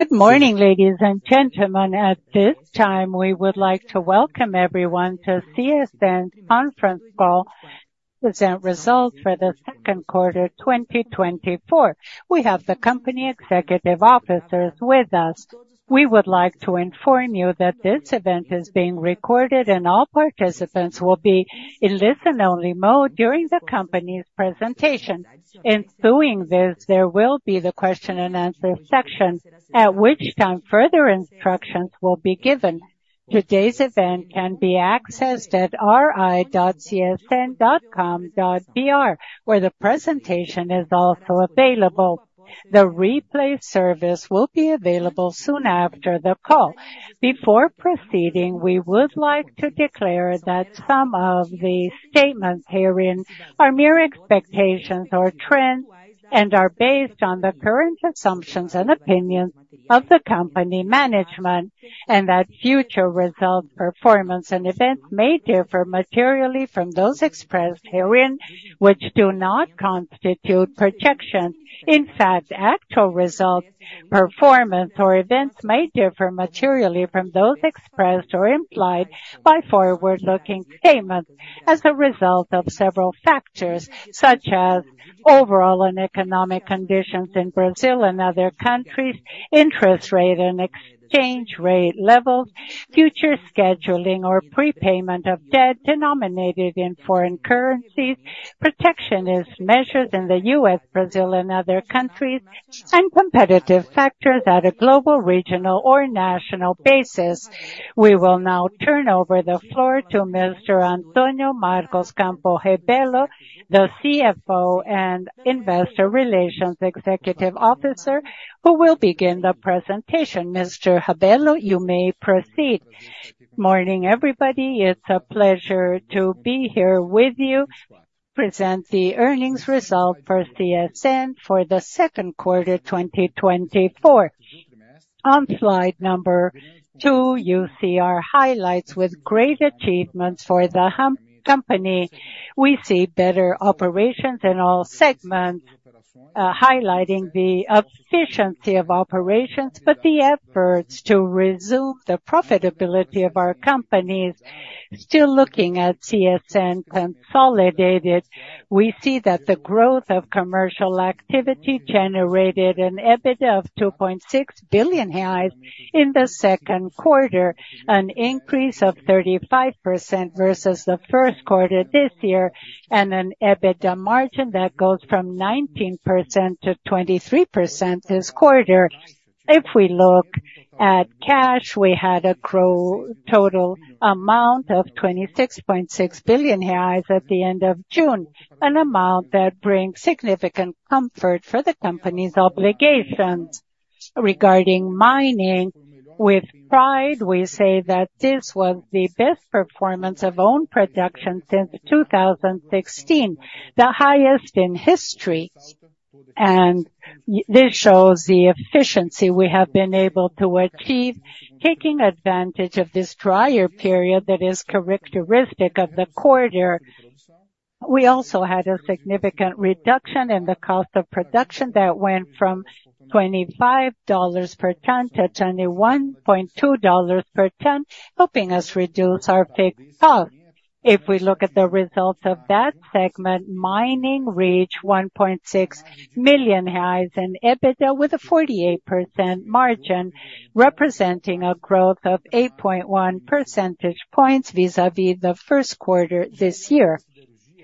Good morning, ladies and gentlemen. At this time, we would like to welcome everyone to CSN Conference Call, present results for the Second Quarter 2024. We have the company executive officers with us. We would like to inform you that this event is being recorded, and all participants will be in listen-only mode during the company's presentation. Ensuing this, there will be the question-and-answer section, at which time further instructions will be given. Today's event can be accessed at ri.csn.com.br, where the presentation is also available. The replay service will be available soon after the call. Before proceeding, we would like to declare that some of the statements herein are mere expectations or trends, and are based on the current assumptions and opinions of the company management, and that future results, performance and events may differ materially from those expressed herein, which do not constitute projections. In fact, actual results, performance or events may differ materially from those expressed or implied by forward-looking statements as a result of several factors, such as overall and economic conditions in Brazil and other countries, interest rate and exchange rate levels, future scheduling or prepayment of debt denominated in foreign currencies, protectionist measures in the U.S., Brazil and other countries, and competitive factors at a global, regional or national basis. We will now turn over the floor to Mr. Antônio Marcos Campos Rabello, the CFO and Investor Relations Executive Officer, who will begin the presentation. Mr. Rabello, you may proceed. Morning, everybody. It's a pleasure to be here with you, present the earnings result for CSN for the second quarter, 2024. On slide number 2, you see our highlights with great achievements for the company. We see better operations in all segments, highlighting the efficiency of operations, but the efforts to resume the profitability of our companies. Still looking at CSN consolidated, we see that the growth of commercial activity generated an EBITDA of 2.6 billion reais in the second quarter, an increase of 35% versus the first quarter this year, and an EBITDA margin that goes from 19%-23% this quarter. If we look at cash, we had a total amount of 26.6 billion reais at the end of June, an amount that brings significant comfort for the company's obligations. Regarding mining, with pride, we say that this was the best performance of own production since 2016, the highest in history. And this shows the efficiency we have been able to achieve. Taking advantage of this drier period that is characteristic of the quarter, we also had a significant reduction in the cost of production that went from $25 per ton to $21.2 per ton, helping us reduce our fixed cost. If we look at the results of that segment, mining reached 1.6 billion in EBITDA, with a 48% margin, representing a growth of 8.1 percentage points vis-à-vis the first quarter this year.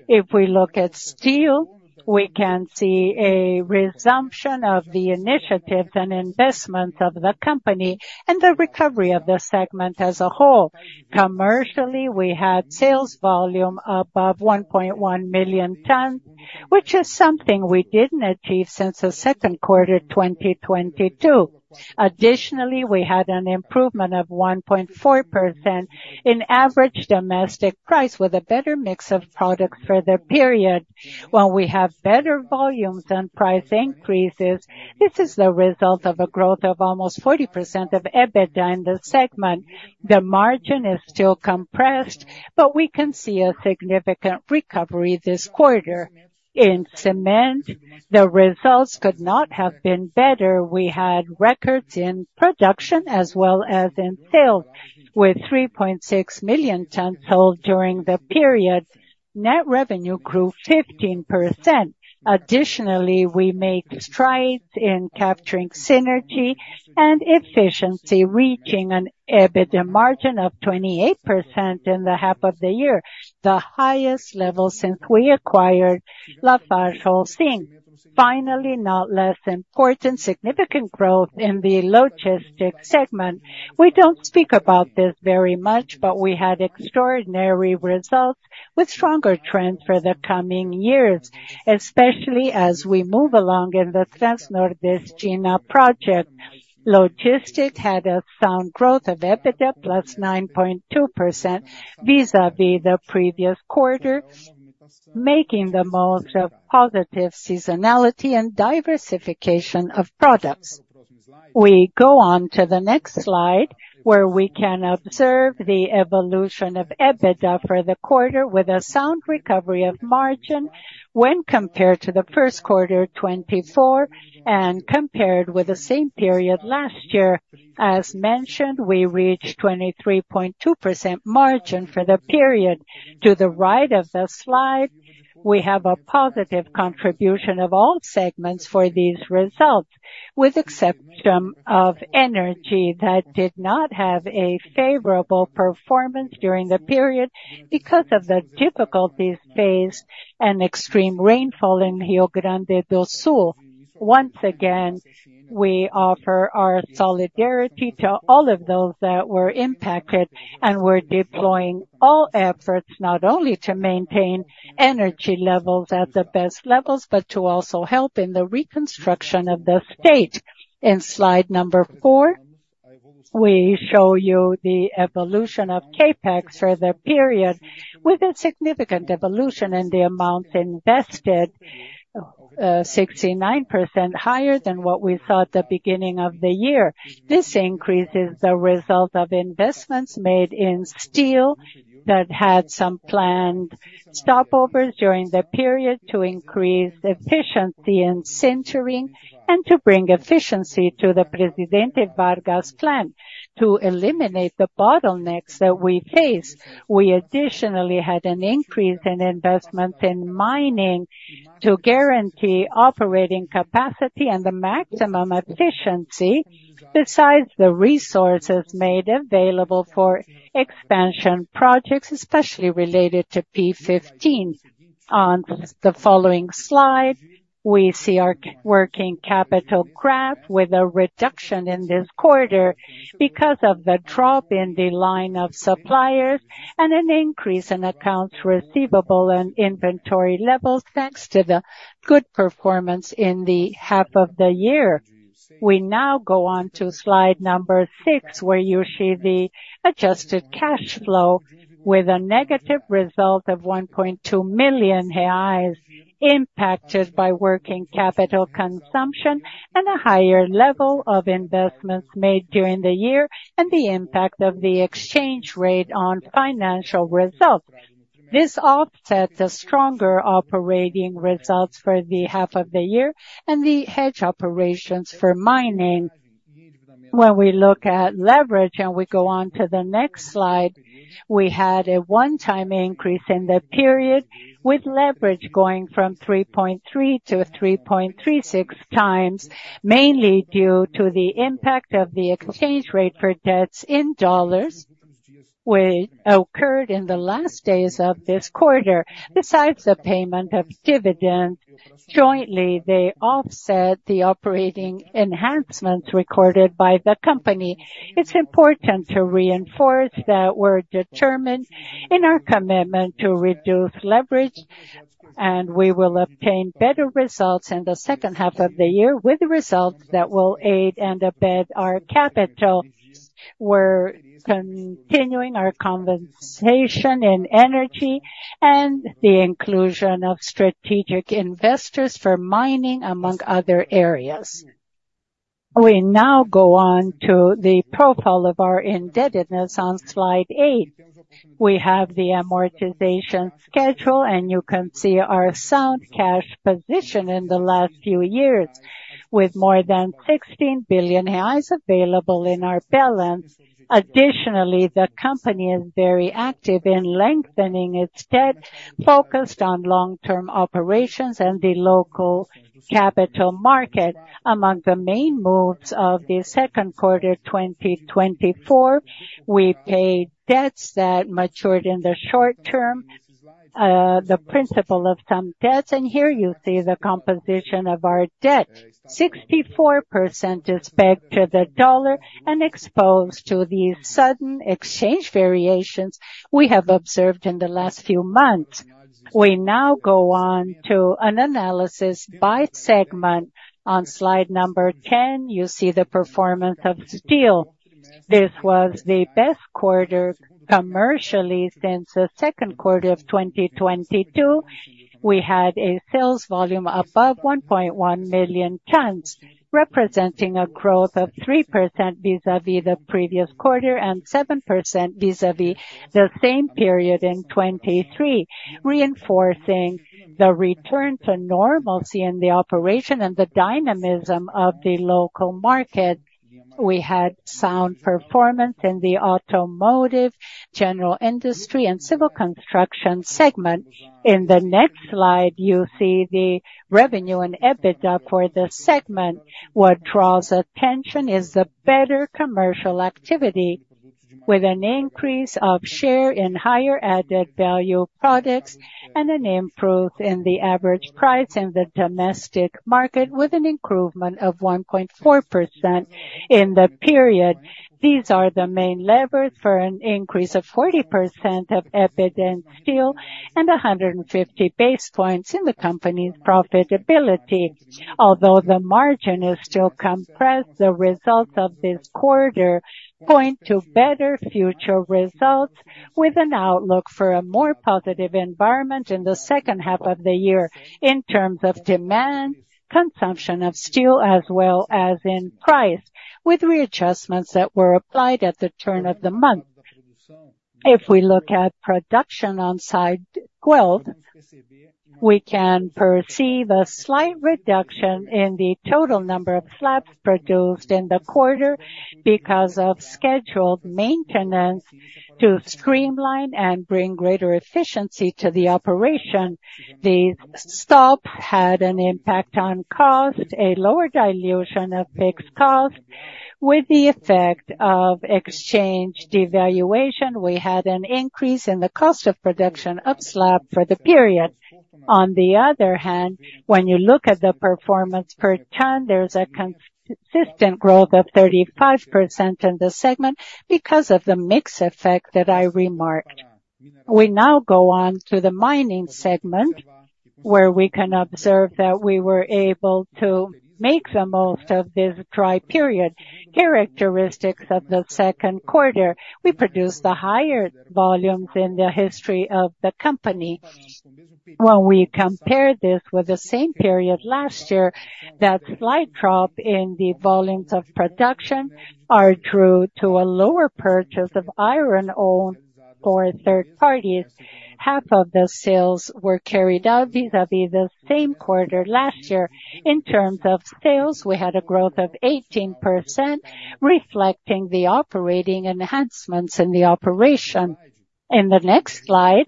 If we look at steel, we can see a resumption of the initiatives and investments of the company and the recovery of the segment as a whole. Commercially, we had sales volume above 1.1 million tons, which is something we didn't achieve since the second quarter, 2022. Additionally, we had an improvement of 1.4% in average domestic price, with a better mix of products for the period. While we have better volumes and price increases, this is the result of a growth of almost 40% of EBITDA in the segment. The margin is still compressed, but we can see a significant recovery this quarter. In cement, the results could not have been better. We had records in production as well as in sales, with 3.6 million tons sold during the period. Net revenue grew 15%. Additionally, we made strides in capturing synergy and efficiency, reaching an EBITDA margin of 28% in the half of the year, the highest level since we acquired LafargeHolcim. Finally, not less important, significant growth in the logistics segment. We don't speak about this very much, but we had extraordinary results with stronger trends for the coming years, especially as we move along in the Transnordestina project. Logistics had a sound growth of EBITDA, plus 9.2% vis-à-vis the previous quarter, making the most of positive seasonality and diversification of products. We go on to the next slide, where we can observe the evolution of EBITDA for the quarter, with a sound recovery of margin when compared to the first quarter 2024, and compared with the same period last year. As mentioned, we reached 23.2% margin for the period. To the right of the slide, we have a positive contribution of all segments for these results, with exception of energy, that did not have a favorable performance during the period because of the difficulties faced and extreme rainfall in Rio Grande do Sul. Once again, we offer our solidarity to all of those that were impacted, and we're deploying all efforts, not only to maintain energy levels at the best levels, but to also help in the reconstruction of the state. In slide number 4, we show you the evolution of CapEx for the period, with a significant evolution in the amount invested, 69% higher than what we thought at the beginning of the year. This increase is the result of investments made in steel, that had some planned stopovers during the period to increase the efficiency in centering and to bring efficiency to the Presidente Vargas plant to eliminate the bottlenecks that we face. We additionally had an increase in investment in mining, to guarantee operating capacity and the maximum efficiency, besides the resources made available for expansion projects, especially related to P15. On the following slide, we see our working capital graph, with a reduction in this quarter because of the drop in the line of suppliers and an increase in accounts receivable and inventory levels, thanks to the good performance in the half of the year. We now go on to slide number 6, where you see the adjusted cash flow with a negative result of 1.2 million reais, impacted by working capital consumption and a higher level of investments made during the year, and the impact of the exchange rate on financial results. This offsets the stronger operating results for the half of the year and the hedge operations for mining. When we look at leverage, and we go on to the next slide, we had a one-time increase in the period, with leverage going from 3.3 to 3.36 times, mainly due to the impact of the exchange rate for debts in dollars, which occurred in the last days of this quarter. Besides the payment of dividend, jointly, they offset the operating enhancements recorded by the company. It's important to reinforce that we're determined in our commitment to reduce leverage, and we will obtain better results in the second half of the year, with results that will aid and abet our capital. We're continuing our conversation in energy and the inclusion of strategic investors for mining, among other areas. We now go on to the profile of our indebtedness on slide 8. We have the amortization schedule, and you can see our sound cash position in the last few years, with more than 16 billion reais available in our balance. Additionally, the company is very active in lengthening its debt, focused on long-term operations and the local capital market. Among the main moves of the second quarter, 2024, we paid debts that matured in the short term, the principal of some debts, and here you see the composition of our debt. 64% is pegged to the dollar and exposed to the sudden exchange variations we have observed in the last few months. We now go on to an analysis by segment. On slide number 10, you see the performance of steel. This was the best quarter commercially since the second quarter of 2022. We had a sales volume above 1.1 million tons, representing a growth of 3% vis-à-vis the previous quarter, and 7% vis-à-vis the same period in 2023, reinforcing the return to normalcy in the operation and the dynamism of the local market. We had sound performance in the automotive, general industry and civil construction segment. In the next slide, you'll see the revenue and EBITDA for the segment. What draws attention is the better commercial activity, with an increase of share in higher added value products and an improvement in the average price in the domestic market, with an improvement of 1.4% in the period. These are the main levers for an increase of 40% of EBITDA in steel and 150 basis points in the company's profitability. Although the margin is still compressed, the results of this quarter point to better future results, with an outlook for a more positive environment in the second half of the year in terms of demand, consumption of steel, as well as in price, with readjustments that were applied at the turn of the month. If we look at production on Slide 12, we can perceive a slight reduction in the total number of slabs produced in the quarter because of scheduled maintenance to streamline and bring greater efficiency to the operation. The stop had an impact on cost, a lower dilution of fixed cost. With the effect of exchange devaluation, we had an increase in the cost of production of slab for the period. On the other hand, when you look at the performance per ton, there is a consistent growth of 35% in the segment because of the mix effect that I remarked. We now go on to the mining segment, where we can observe that we were able to make the most of this dry period. Characteristics of the second quarter, we produced the higher volumes in the history of the company. When we compare this with the same period last year, that slight drop in the volumes of production are true to a lower purchase of iron ore for third parties. Half of the sales were carried out vis-à-vis the same quarter last year. In terms of sales, we had a growth of 18%, reflecting the operating enhancements in the operation. In the next slide,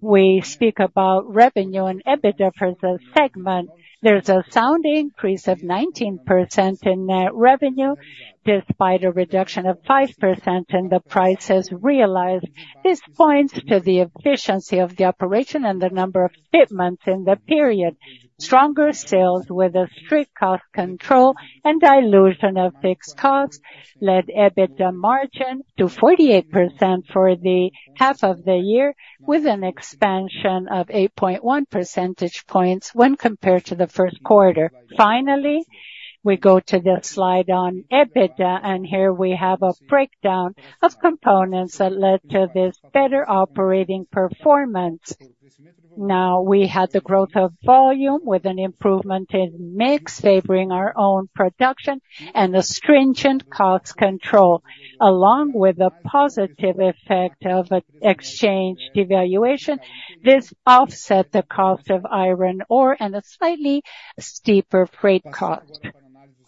we speak about revenue and EBITDA for the segment. There's a sound increase of 19% in net revenue, despite a reduction of 5% in the prices realized. This points to the efficiency of the operation and the number of shipments in the period. Stronger sales with a strict cost control and dilution of fixed costs led EBITDA margin to 48% for the half of the year, with an expansion of 8.1 percentage points when compared to the first quarter. Finally, we go to the slide on EBITDA, and here we have a breakdown of components that led to this better operating performance. Now, we had the growth of volume with an improvement in mix, favoring our own production and a stringent cost control, along with the positive effect of exchange devaluation. This offset the cost of iron ore and a slightly steeper freight cost.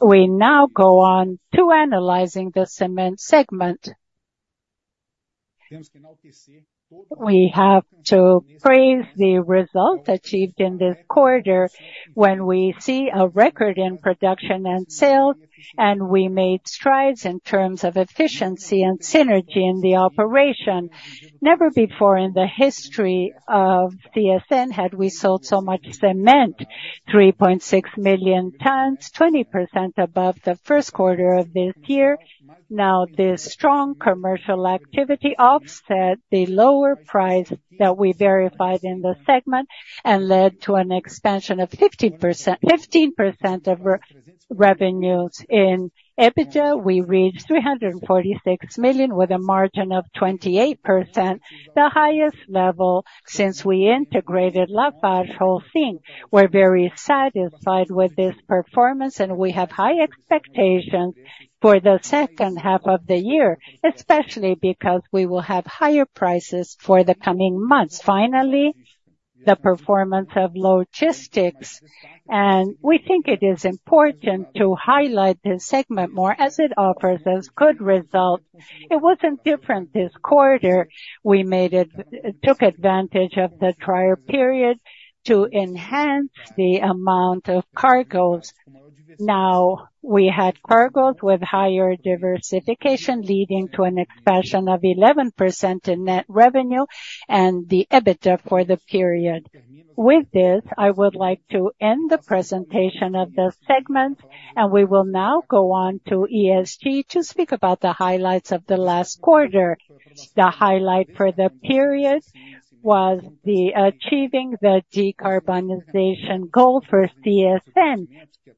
We now go on to analyzing the cement segment. We have to praise the results achieved in this quarter when we see a record in production and sales, and we made strides in terms of efficiency and synergy in the operation. Never before in the history of CSN had we sold so much cement, 3.6 million tons, 20% above the first quarter of this year. Now, this strong commercial activity offset the lower price that we verified in the segment and led to an expansion of 15% in revenues. In EBITDA, we reached 346 million, with a margin of 28%, the highest level since we integrated Lafarge Holcim. We're very satisfied with this performance, and we have high expectations for the second half of the year, especially because we will have higher prices for the coming months. Finally, the performance of logistics, and we think it is important to highlight this segment more as it offers us good results. It wasn't different this quarter. We took advantage of the drier period to enhance the amount of cargoes. Now, we had cargoes with higher diversification, leading to an expansion of 11% in net revenue and the EBITDA for the period. With this, I would like to end the presentation of the segment, and we will now go on to ESG to speak about the highlights of the last quarter. The highlight for the period was the achieving the decarbonization goal for CSN.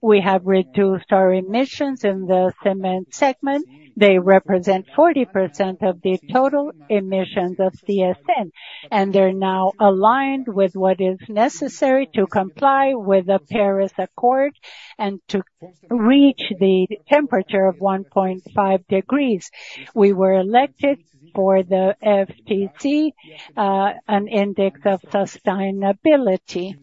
We have reduced our emissions in the cement segment. They represent 40% of the total emissions of CSN, and they're now aligned with what is necessary to comply with the Paris Accord and to reach the temperature of 1.5 degrees. We were elected for the FTSE4Good, an index of sustainability.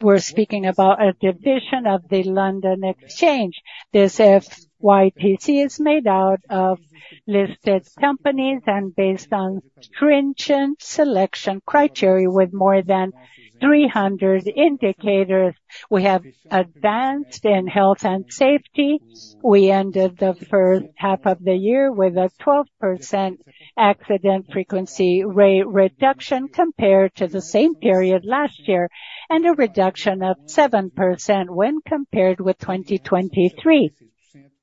We're speaking about a division of the London Stock Exchange. This FTSE4Good is made out of listed companies and based on stringent selection criteria, with more than 300 indicators. We have advanced in health and safety. We ended the first half of the year with a 12% accident frequency rate reduction compared to the same period last year, and a reduction of 7% when compared with 2023.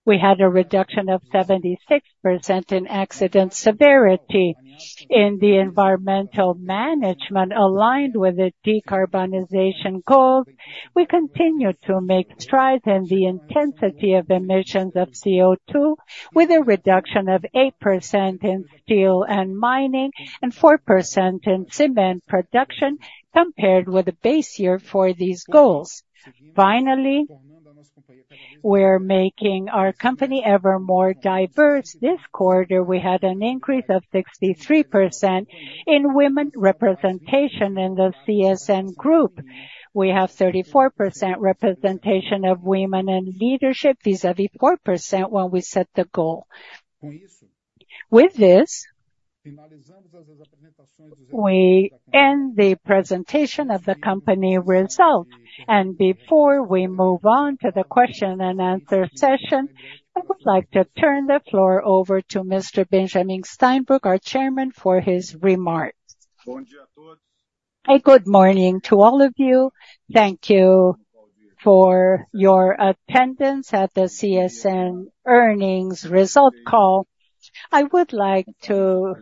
We had a reduction of 76% in accident severity. In the environmental management, aligned with the decarbonization goals, we continued to make strides in the intensity of emissions of CO2, with a reduction of 8% in steel and mining and 4% in cement production, compared with the base year for these goals. Finally, we're making our company ever more diverse. This quarter, we had an increase of 63% in women representation in the CSN group. We have 34% representation of women in leadership, vis-a-vis 4% when we set the goal. With this, we end the presentation of the company result. Before we move on to the question and answer session, I would like to turn the floor over to Mr. Benjamin Steinbruch, our chairman, for his remarks. A good morning to all of you. Thank you for your attendance at the CSN Earnings Result Call. I would like to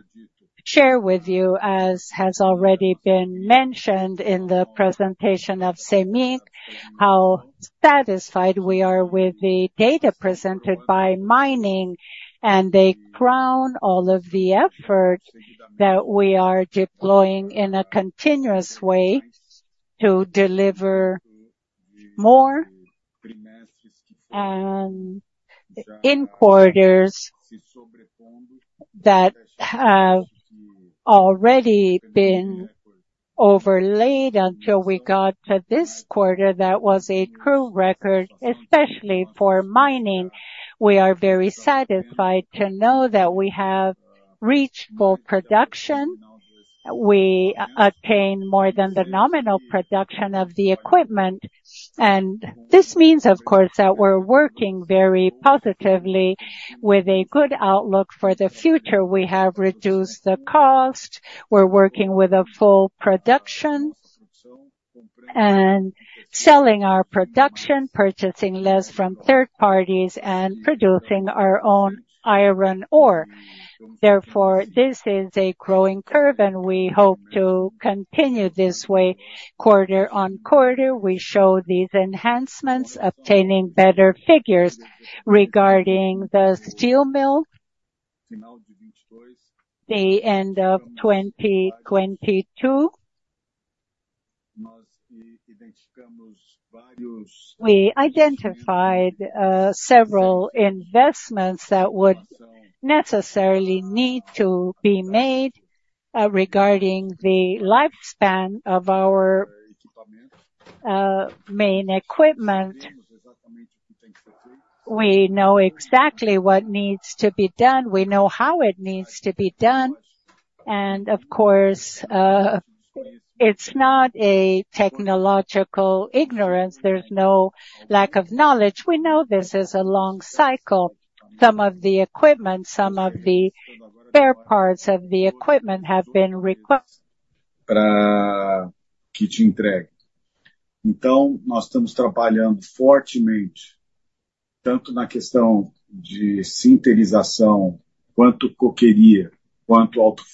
share with you, as has already been mentioned in the presentation of CMIN, how satisfied we are with the data presented by mining, and they crown all of the effort that we are deploying in a continuous way to deliver more and in quarters that have already been overlaid until we got to this quarter, that was a crude record, especially for mining. We are very satisfied to know that we have reached full production. We attain more than the nominal production of the equipment, and this means, of course, that we're working very positively with a good outlook for the future. We have reduced the cost, we're working with a full production and selling our production, purchasing less from third parties, and producing our own iron ore. Therefore, this is a growing curve and we hope to continue this way. Quarter on quarter, we show these enhancements, obtaining better figures. Regarding the steel mill, the end of 2022, we identified several investments that would necessarily need to be made regarding the lifespan of our main equipment. We know exactly what needs to be done, we know how it needs to be done, and of course, it's not a technological ignorance. There's no lack of knowledge. We know this is a long cycle. Some of the equipment, some of the spare parts of the equipment have been requested for the blast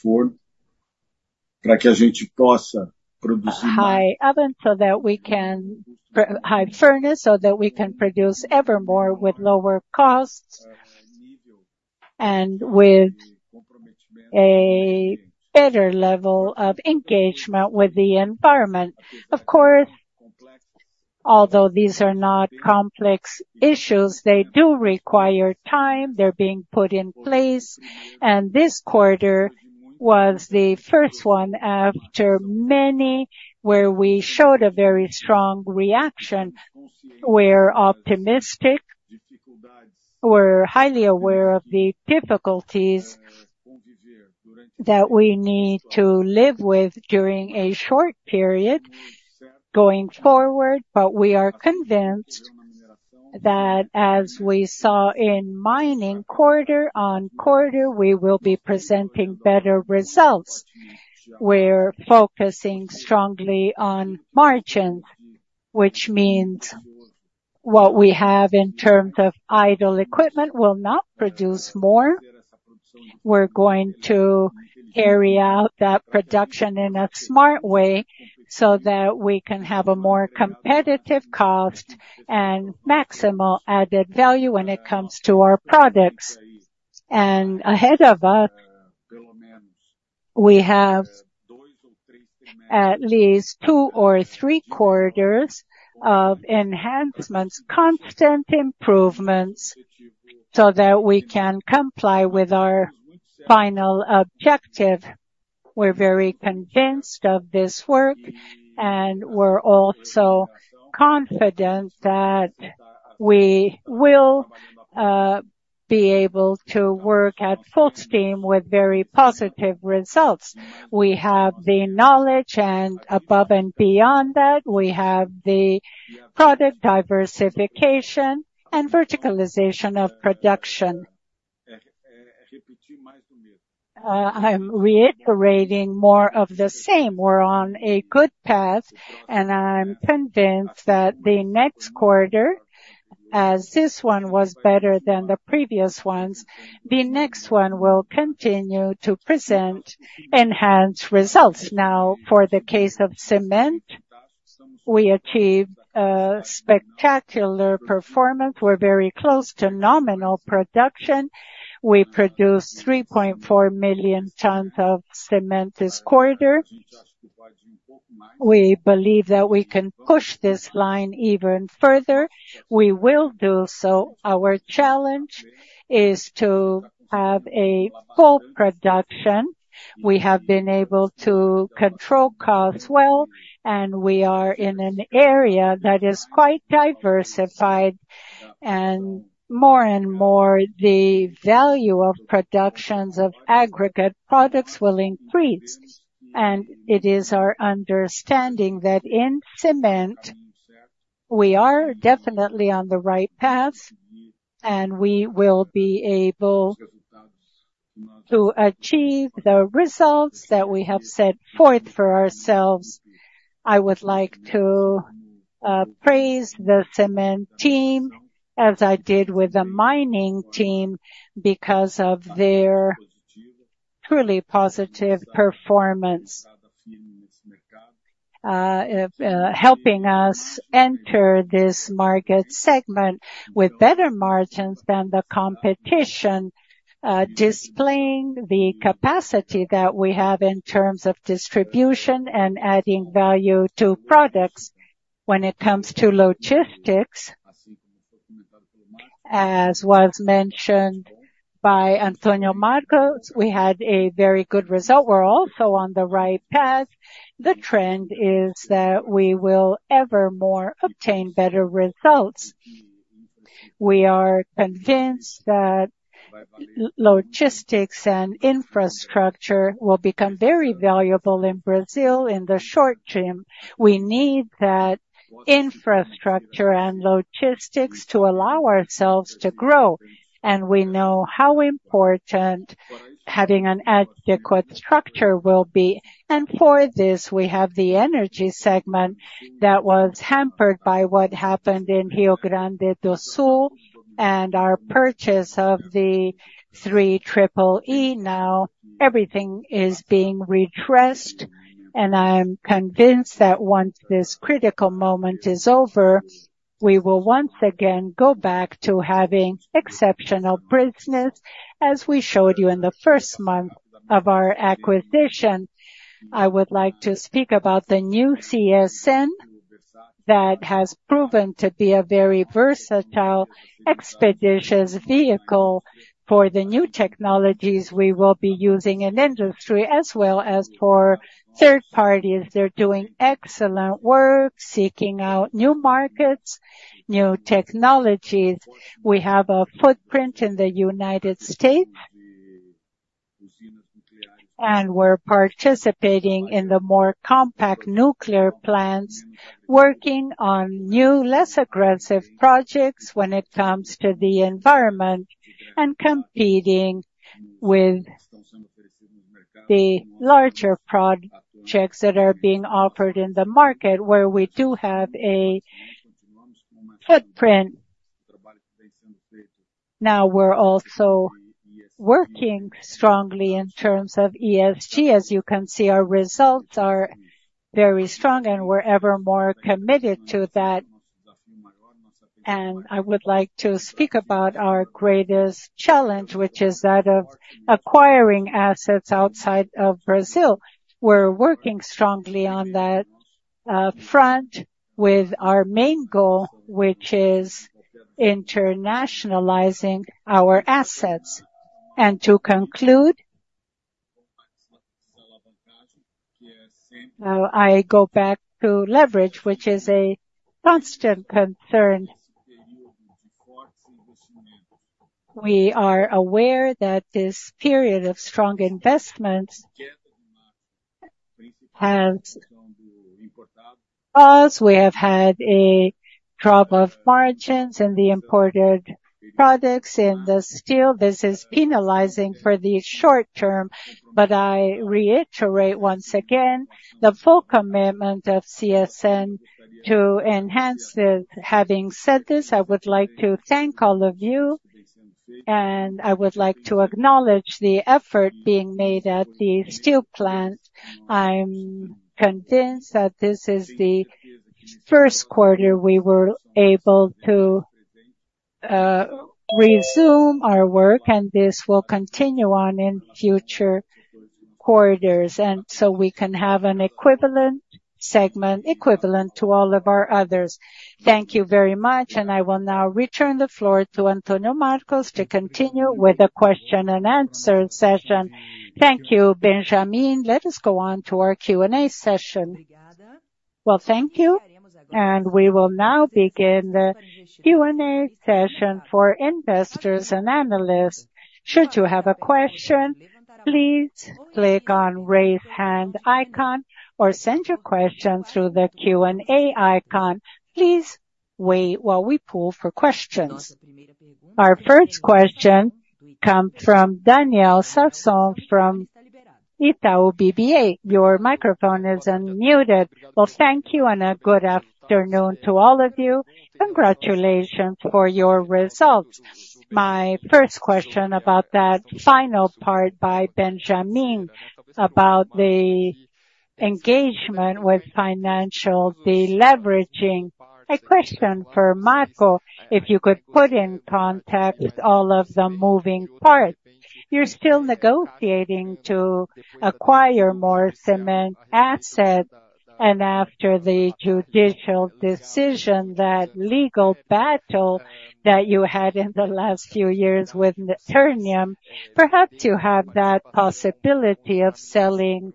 furnace, so that we can produce evermore with lower costs and with a better level of engagement with the environment. Of course, although these are not complex issues, they do require time. They're being put in place, and this quarter was the first one after many, where we showed a very strong reaction. We're optimistic. We're highly aware of the difficulties that we need to live with during a short period going forward, but we are convinced that as we saw in mining quarter-over-quarter, we will be presenting better results. We're focusing strongly on margins, which means what we have in terms of idle equipment will not produce more. We're going to carry out that production in a smart way so that we can have a more competitive cost and maximal added value when it comes to our products. And ahead of us, we have at least two or three quarters of enhancements, constant improvements, so that we can comply with our final objective. We're very convinced of this work, and we're also confident that we will be able to work at full steam with very positive results. We have the knowledge, and above and beyond that, we have the product diversification and verticalization of production. I'm reiterating more of the same. We're on a good path, and I'm convinced that the next quarter, as this one was better than the previous ones, the next one will continue to present enhanced results. Now, for the case of cement, we achieved a spectacular performance. We're very close to nominal production. We produced 3.4 million tons of cement this quarter. We believe that we can push this line even further. We will do so. Our challenge is to have a full production. We have been able to control costs well, and we are in an area that is quite diversified, and more and more, the value of productions of aggregate products will increase. It is our understanding that in cement, we are definitely on the right path, and we will be able to achieve the results that we have set forth for ourselves. I would like to praise the cement team, as I did with the mining team, because of their truly positive performance, helping us enter this market segment with better margins than the competition, displaying the capacity that we have in terms of distribution and adding value to products. When it comes to logistics, as was mentioned by Antônio Marcos, we had a very good result. We're also on the right path. The trend is that we will ever more obtain better results. We are convinced that logistics and infrastructure will become very valuable in Brazil in the short term. We need that infrastructure and logistics to allow ourselves to grow, and we know how important having an adequate structure will be. For this, we have the energy segment that was hampered by what happened in Rio Grande do Sul and our purchase of the CEEE-G. Now, everything is being addressed, and I'm convinced that once this critical moment is over, we will once again go back to having exceptional business, as we showed you in the first month of our acquisition. I would like to speak about the new CSN that has proven to be a very versatile, expeditious vehicle for the new technologies we will be using in industry as well as for third parties. They're doing excellent work, seeking out new markets, new technologies. We have a footprint in the United States, and we're participating in the more compact nuclear plants, working on new, less aggressive projects when it comes to the environment, and competing with the larger projects that are being offered in the market, where we do have a footprint. Now, we're also working strongly in terms of ESG. As you can see, our results are very strong, and we're ever more committed to that. And I would like to speak about our greatest challenge, which is that of acquiring assets outside of Brazil. We're working strongly on that, front with our main goal, which is internationalizing our assets. And to conclude, I go back to leverage, which is a constant concern. We are aware that this period of strong investments have. Us, we have had a drop of margins in the imported products, in the steel. This is penalizing for the short term, but I reiterate once again the full commitment of CSN to enhance this. Having said this, I would like to thank all of you, and I would like to acknowledge the effort being made at the steel plant. I'm convinced that this is the first quarter we were able to resume our work, and this will continue on in future quarters, and so we can have an equivalent segment, equivalent to all of our others. Thank you very much, and I will now return the floor to Antônio Marcos to continue with the question and answer session. Thank you, Benjamin. Let us go on to our Q&A session. Well, thank you, and we will now begin the Q&A session for investors and analysts. Should you have a question, please click on Raise Hand icon or send your question through the Q&A icon. Please wait while we poll for questions. Our first question comes from Daniel Sasson from Itaú BBA. Your microphone is unmuted. Well, thank you and a good afternoon to all of you. Congratulations for your results. My first question about that final part by Benjamin, about the engagement with financial deleveraging. A question for Marco, if you could put in context all of the moving parts.... You're still negotiating to acquire more cement assets, and after the judicial decision, that legal battle that you had in the last few years with Ternium, perhaps you have that possibility of selling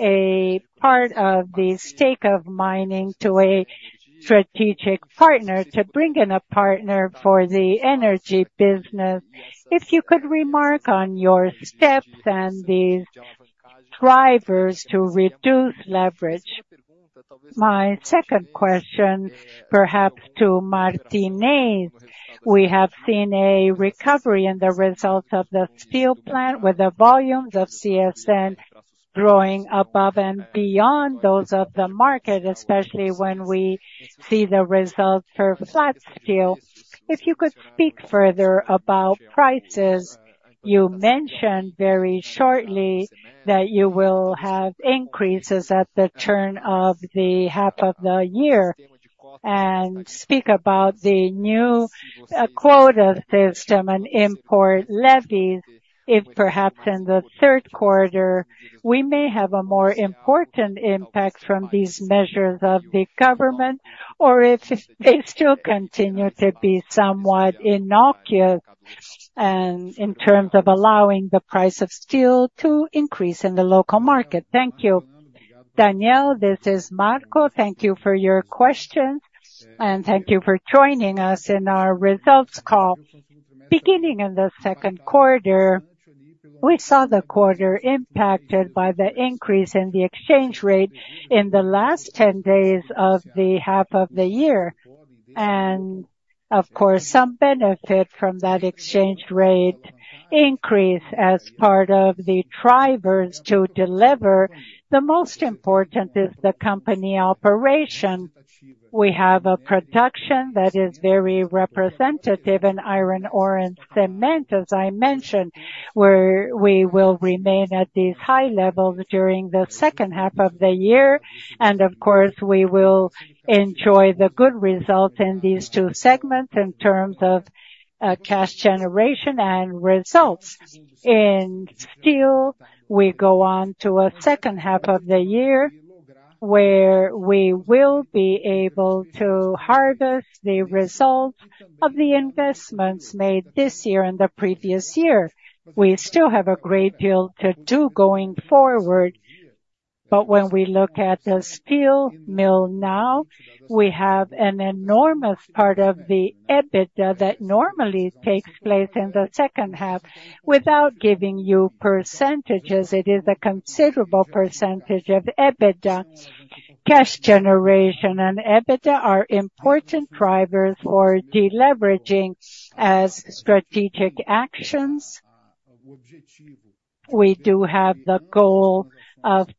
a part of the stake of mining to a strategic partner, to bring in a partner for the energy business. If you could remark on your steps and these drivers to reduce leverage. My second question, perhaps to Martinez, we have seen a recovery in the results of the steel plant, with the volumes of CSN growing above and beyond those of the market, especially when we see the results for flat steel. If you could speak further about prices, you mentioned very shortly that you will have increases at the turn of the half of the year, and speak about the new quota system and import levies, if perhaps in the third quarter, we may have a more important impact from these measures of the government, or if they still continue to be somewhat innocuous, and in terms of allowing the price of steel to increase in the local market. Thank you. Daniel, this is Marco. Thank you for your question, and thank you for joining us in our results call. Beginning in the second quarter, we saw the quarter impacted by the increase in the exchange rate in the last 10 days of the half of the year, and of course, some benefit from that exchange rate increase as part of the drivers to deliver. The most important is the company operation. We have a production that is very representative in iron ore and cement, as I mentioned, where we will remain at these high levels during the second half of the year, and of course, we will enjoy the good results in these two segments in terms of cash generation and results. In steel, we go on to a second half of the year, where we will be able to harvest the result of the investments made this year and the previous year. We still have a great deal to do going forward, but when we look at the steel mill now, we have an enormous part of the EBITDA that normally takes place in the second half. Without giving you percentages, it is a considerable percentage of EBITDA. Cash generation and EBITDA are important drivers for deleveraging as strategic actions. We do have the goal of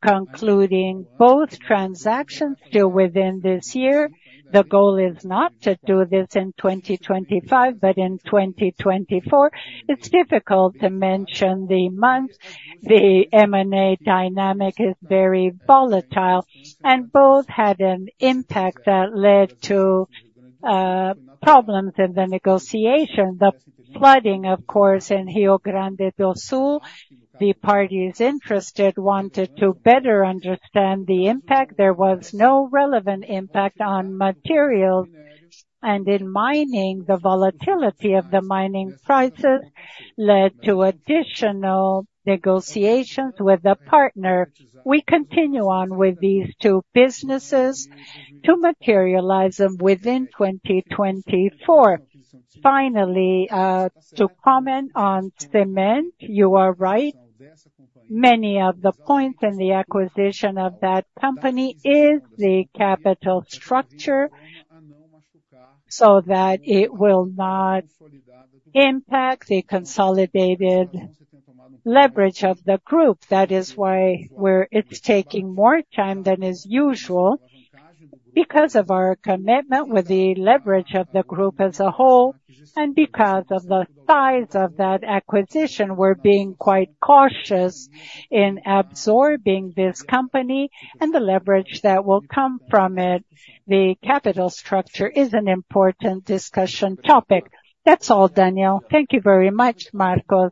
concluding both transactions still within this year. The goal is not to do this in 2025, but in 2024. It's difficult to mention the months. The M&A dynamic is very volatile, and both had an impact that led to problems in the negotiation. The flooding, of course, in Rio Grande do Sul, the parties interested wanted to better understand the impact. There was no relevant impact on materials, and in mining, the volatility of the mining prices led to additional negotiations with the partner. We continue on with these two businesses to materialize them within 2024. Finally, to comment on cement, you are right. Many of the points in the acquisition of that company is the capital structure, so that it will not impact the consolidated leverage of the group. That is why we're. It's taking more time than is usual. Because of our commitment with the leverage of the group as a whole, and because of the size of that acquisition, we're being quite cautious in absorbing this company and the leverage that will come from it. The capital structure is an important discussion topic. That's all, Daniel. Thank you very much, Marcos.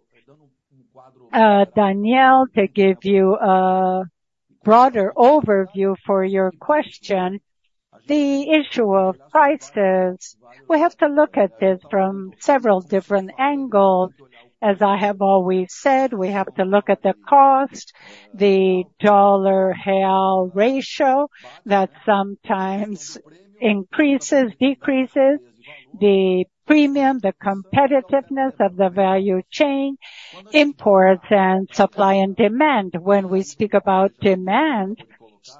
Daniel, to give you a broader overview for your question, the issue of prices, we have to look at this from several different angles. As I have always said, we have to look at the cost, the dollar-real ratio, that sometimes increases, decreases, the premium, the competitiveness of the value chain, imports, and supply and demand. When we speak about demand,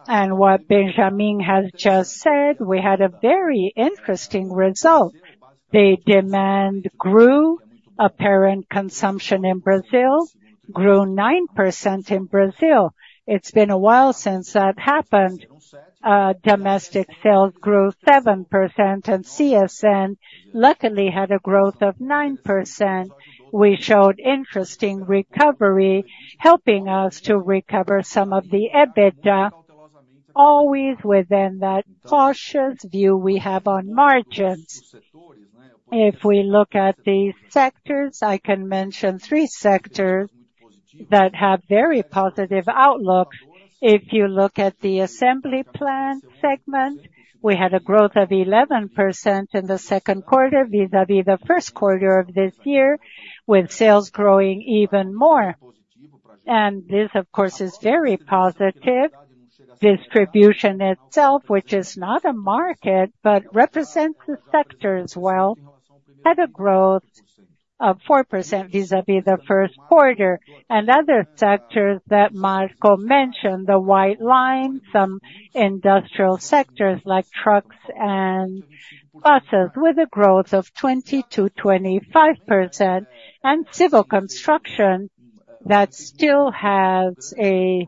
and what Benjamin has just said, we had a very interesting result. The demand grew. Apparent consumption in Brazil grew 9% in Brazil. It's been a while since that happened. Domestic sales grew 7%, and CSN luckily had a growth of 9%. We showed interesting recovery, helping us to recover some of the EBITDA... always within that cautious view we have on margins. If we look at the sectors, I can mention three sectors that have very positive outlook. If you look at the assembly plan segment, we had a growth of 11% in the second quarter, vis-a-vis the first quarter of this year, with sales growing even more. This, of course, is very positive. Distribution itself, which is not a market, but represents the sector as well, had a growth of 4% vis-a-vis the first quarter. Other sectors that Marco mentioned, the white line, some industrial sectors, like trucks and buses, with a growth of 20%-25%, and civil construction, that still has a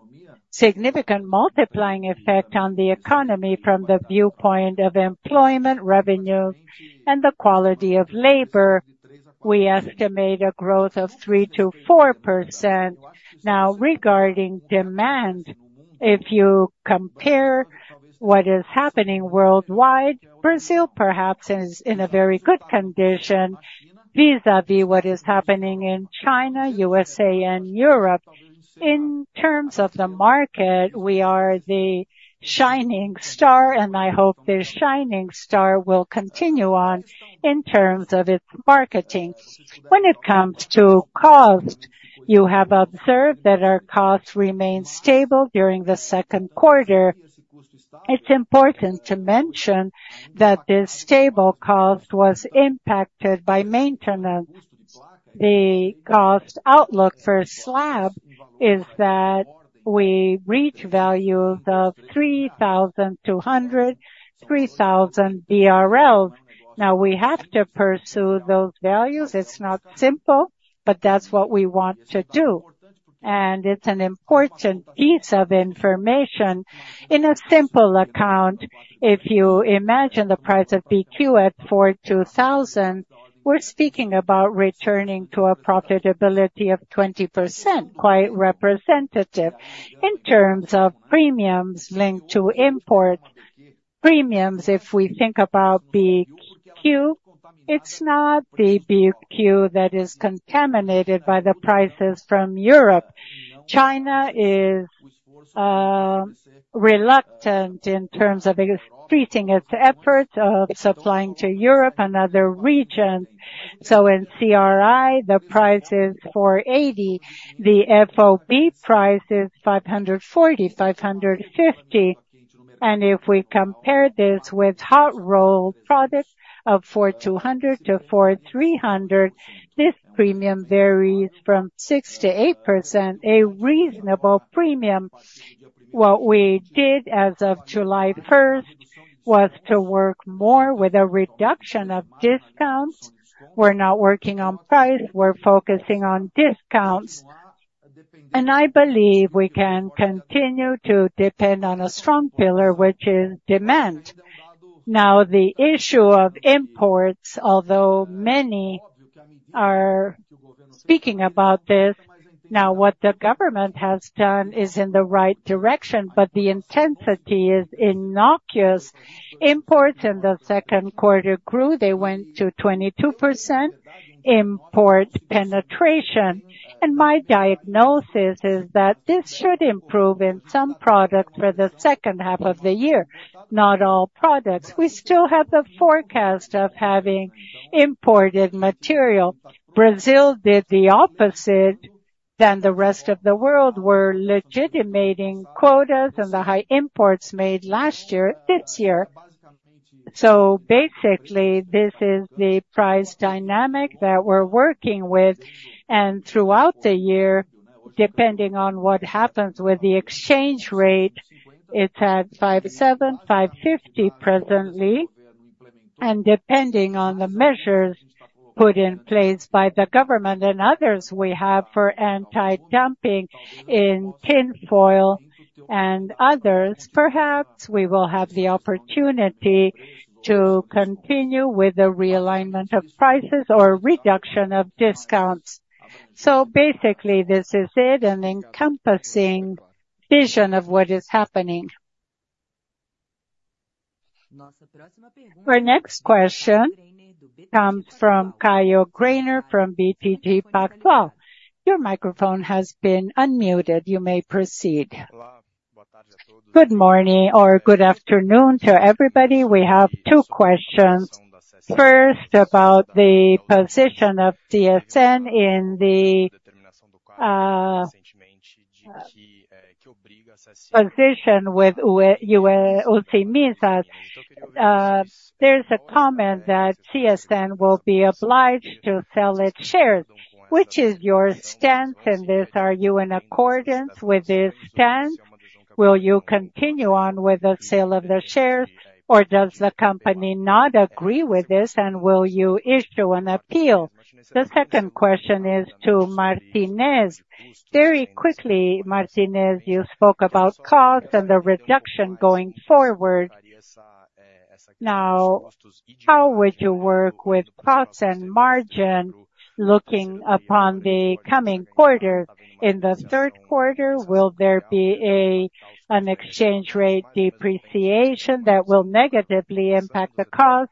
significant multiplying effect on the economy from the viewpoint of employment, revenue, and the quality of labor. We estimate a growth of 3%-4%. Now, regarding demand, if you compare what is happening worldwide, Brazil perhaps is in a very good condition, vis-a-vis what is happening in China, USA, and Europe. In terms of the market, we are the shining star, and I hope this shining star will continue on in terms of its marketing. When it comes to cost, you have observed that our costs remain stable during the second quarter. It's important to mention that this stable cost was impacted by maintenance. The cost outlook for slab is that we reach values of 3,200-3,000 BRL. Now, we have to pursue those values. It's not simple, but that's what we want to do, and it's an important piece of information. In a simple account, if you imagine the price of BQ at 4,200 BRL, we're speaking about returning to a profitability of 20%, quite representative. In terms of premiums linked to import premiums, if we think about BQ, it's not the BQ that is contaminated by the prices from Europe. China is reluctant in terms of increasing its efforts of supplying to Europe and other regions. So in CRI, the price is $480, the FOB price is $540-$550. And if we compare this with hot roll products of $420-$430, this premium varies from 6%-8%, a reasonable premium. What we did as of July first, was to work more with a reduction of discounts. We're not working on price, we're focusing on discounts, and I believe we can continue to depend on a strong pillar, which is demand. Now, the issue of imports, although many are speaking about this now, what the government has done is in the right direction, but the intensity is innocuous. Imports in the second quarter grew. They went to 22% import penetration, and my diagnosis is that this should improve in some products for the second half of the year, not all products. We still have the forecast of having imported material. Brazil did the opposite than the rest of the world. We're legitimating quotas and the high imports made last year, this year. So basically, this is the price dynamic that we're working with, and throughout the year, depending on what happens with the exchange rate, it's at 5.7, 5.50 presently, and depending on the measures put in place by the government and others we have for anti-dumping in tinfoil and others, perhaps we will have the opportunity to continue with the realignment of prices or reduction of discounts. So basically, this is it, an encompassing vision of what is happening. Our next question comes from Caio Greiner from BTG Pactual. Your microphone has been unmuted. You may proceed. Good morning or good afternoon to everybody. We have two questions. First, about the position of CSN in the position with Usiminas. There's a comment that CSN will be obliged to sell its shares. Which is your stance in this? Are you in accordance with this stance? Will you continue on with the sale of the shares, or does the company not agree with this, and will you issue an appeal? The second question is to Martinez. Very quickly, Martinez, you spoke about cost and the reduction going forward. Now, how would you work with costs and margin looking upon the coming quarter? In the third quarter, will there be an exchange rate depreciation that will negatively impact the cost?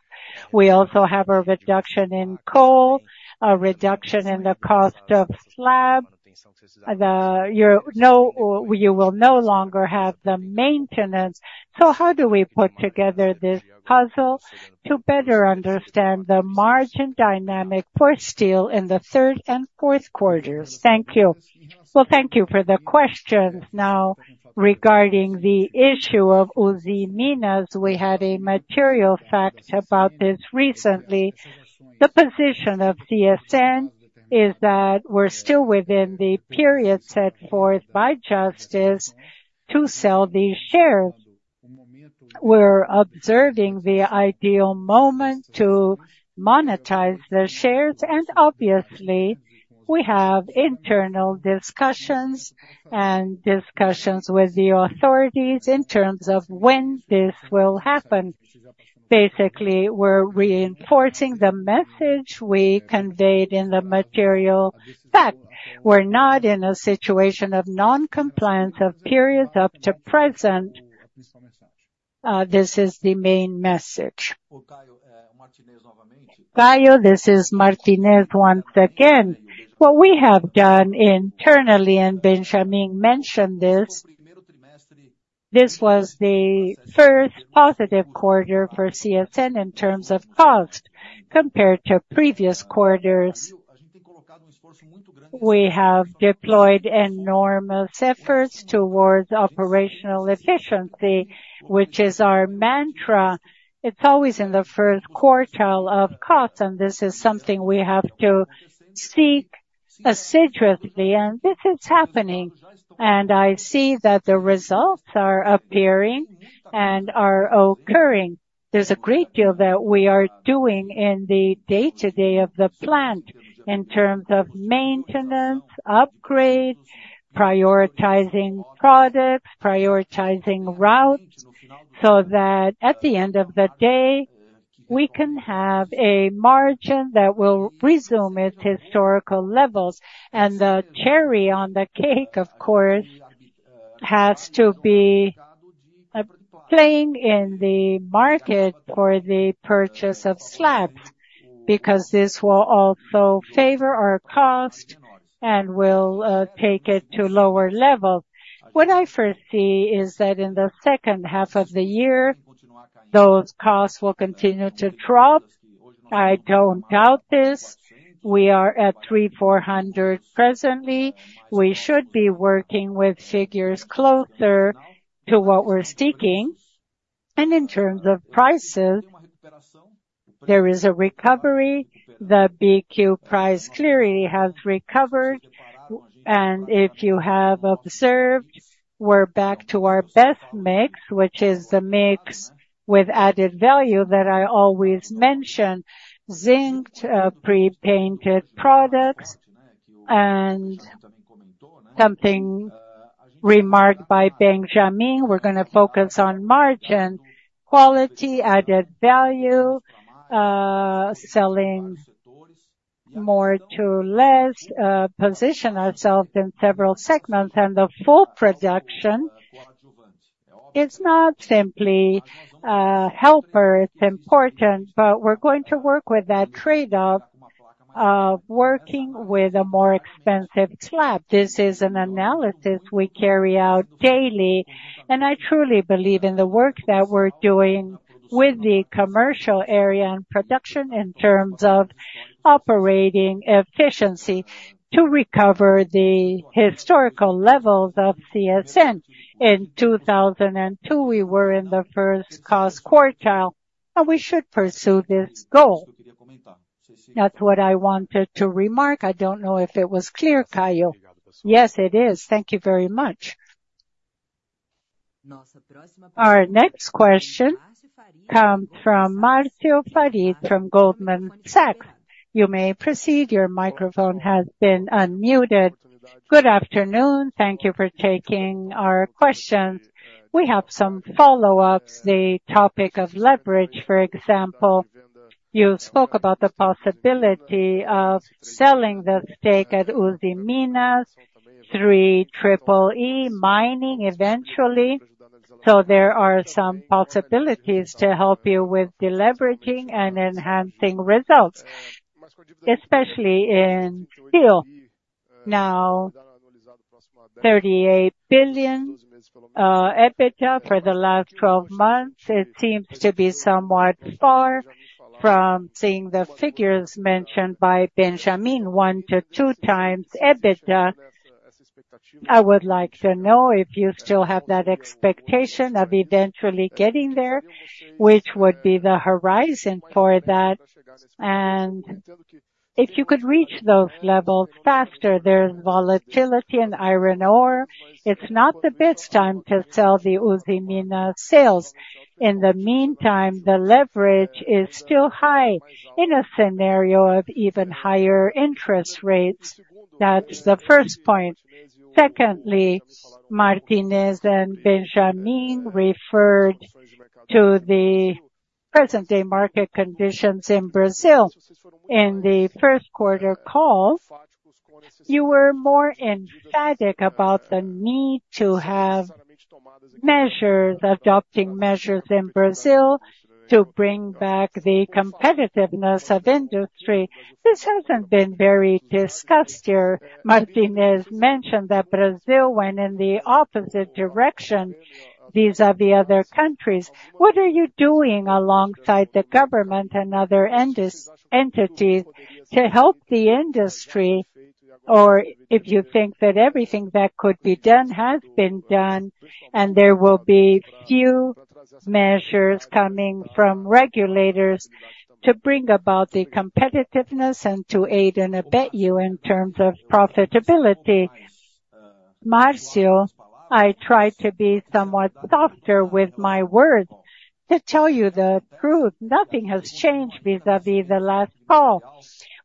We also have a reduction in coal, a reduction in the cost of slab. You know, you will no longer have the maintenance. So how do we put together this puzzle to better understand the margin dynamic for steel in the third and fourth quarters? Thank you. Well, thank you for the question. Now, regarding the issue of Usiminas, we had a material fact about this recently. The position of CSN is that we're still within the period set forth by justice to sell these shares. We're observing the ideal moment to monetize the shares, and obviously, we have internal discussions and discussions with the authorities in terms of when this will happen. Basically, we're reinforcing the message we conveyed in the material fact. We're not in a situation of non-compliance of periods up to present. This is the main message. Caio, this is Martinez once again. What we have done internally, and Benjamin mentioned this, this was the first positive quarter for CSN in terms of cost compared to previous quarters. We have deployed enormous efforts towards operational efficiency, which is our mantra. It's always in the first quartile of cost, and this is something we have to seek assiduously, and this is happening, and I see that the results are appearing and are occurring. There's a great deal that we are doing in the day-to-day of the plant in terms of maintenance, upgrades, prioritizing products, prioritizing routes, so that at the end of the day, we can have a margin that will resume its historical levels. The cherry on the cake, of course, has to be playing in the market for the purchase of slabs, because this will also favor our cost and will take it to lower level. What I foresee is that in the second half of the year, those costs will continue to drop. I don't doubt this. We are at 340 presently. We should be working with figures closer to what we're seeking. In terms of prices, there is a recovery. The BQ price clearly has recovered, and if you have observed, we're back to our best mix, which is the mix with added value that I always mention, zinced, pre-painted products, and something remarked by Benjamin, we're gonna focus on margin, quality, added value, selling more to less, position ourselves in several segments. The full production is not simply helper, it's important, but we're going to work with that trade-off of working with a more expensive slab. This is an analysis we carry out daily, and I truly believe in the work that we're doing with the commercial area and production in terms of operating efficiency to recover the historical levels of CSN. In 2002, we were in the first cost quartile, and we should pursue this goal. That's what I wanted to remark. I don't know if it was clear, Caio. Yes, it is. Thank you very much. Our next question comes from Márcio Farid from Goldman Sachs. You may proceed. Your microphone has been unmuted. Good afternoon. Thank you for taking our questions. We have some follow-ups. The topic of leverage, for example, you spoke about the possibility of selling the stake at Usiminas, CSN mining eventually. So there are some possibilities to help you with deleveraging and enhancing results, especially in steel. Now, 38 billion EBITDA for the last twelve months, it seems to be somewhat far from seeing the figures mentioned by Benjamin, 1-2x EBITDA. I would like to know if you still have that expectation of eventually getting there, which would be the horizon for that, and if you could reach those levels faster. There's volatility in iron ore. It's not the best time to sell the Usiminas shares. In the meantime, the leverage is still high in a scenario of even higher interest rates. That's the first point. Secondly, Martinez and Benjamin referred to the present day market conditions in Brazil. In the first quarter call, you were more emphatic about the need to have measures, adopting measures in Brazil to bring back the competitiveness of industry. This hasn't been very discussed here. Martinez mentioned that Brazil went in the opposite direction, vis-à-vis other countries. What are you doing alongside the government and other industry entities to help the industry? Or if you think that everything that could be done has been done, and there will be few measures coming from regulators to bring about the competitiveness and to aid and abet you in terms of profitability. Márcio, I tried to be somewhat softer with my words. To tell you the truth, nothing has changed vis-à-vis the last call.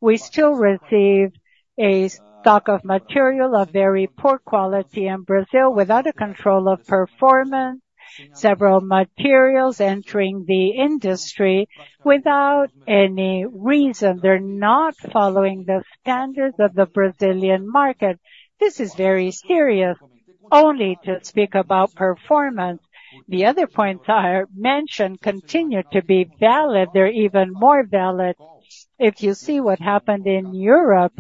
We still receive a stock of material of very poor quality in Brazil, without a control of performance. Several materials entering the industry without any reason. They're not following the standards of the Brazilian market. This is very serious, only to speak about performance. The other points I mentioned continue to be valid. They're even more valid. If you see what happened in Europe,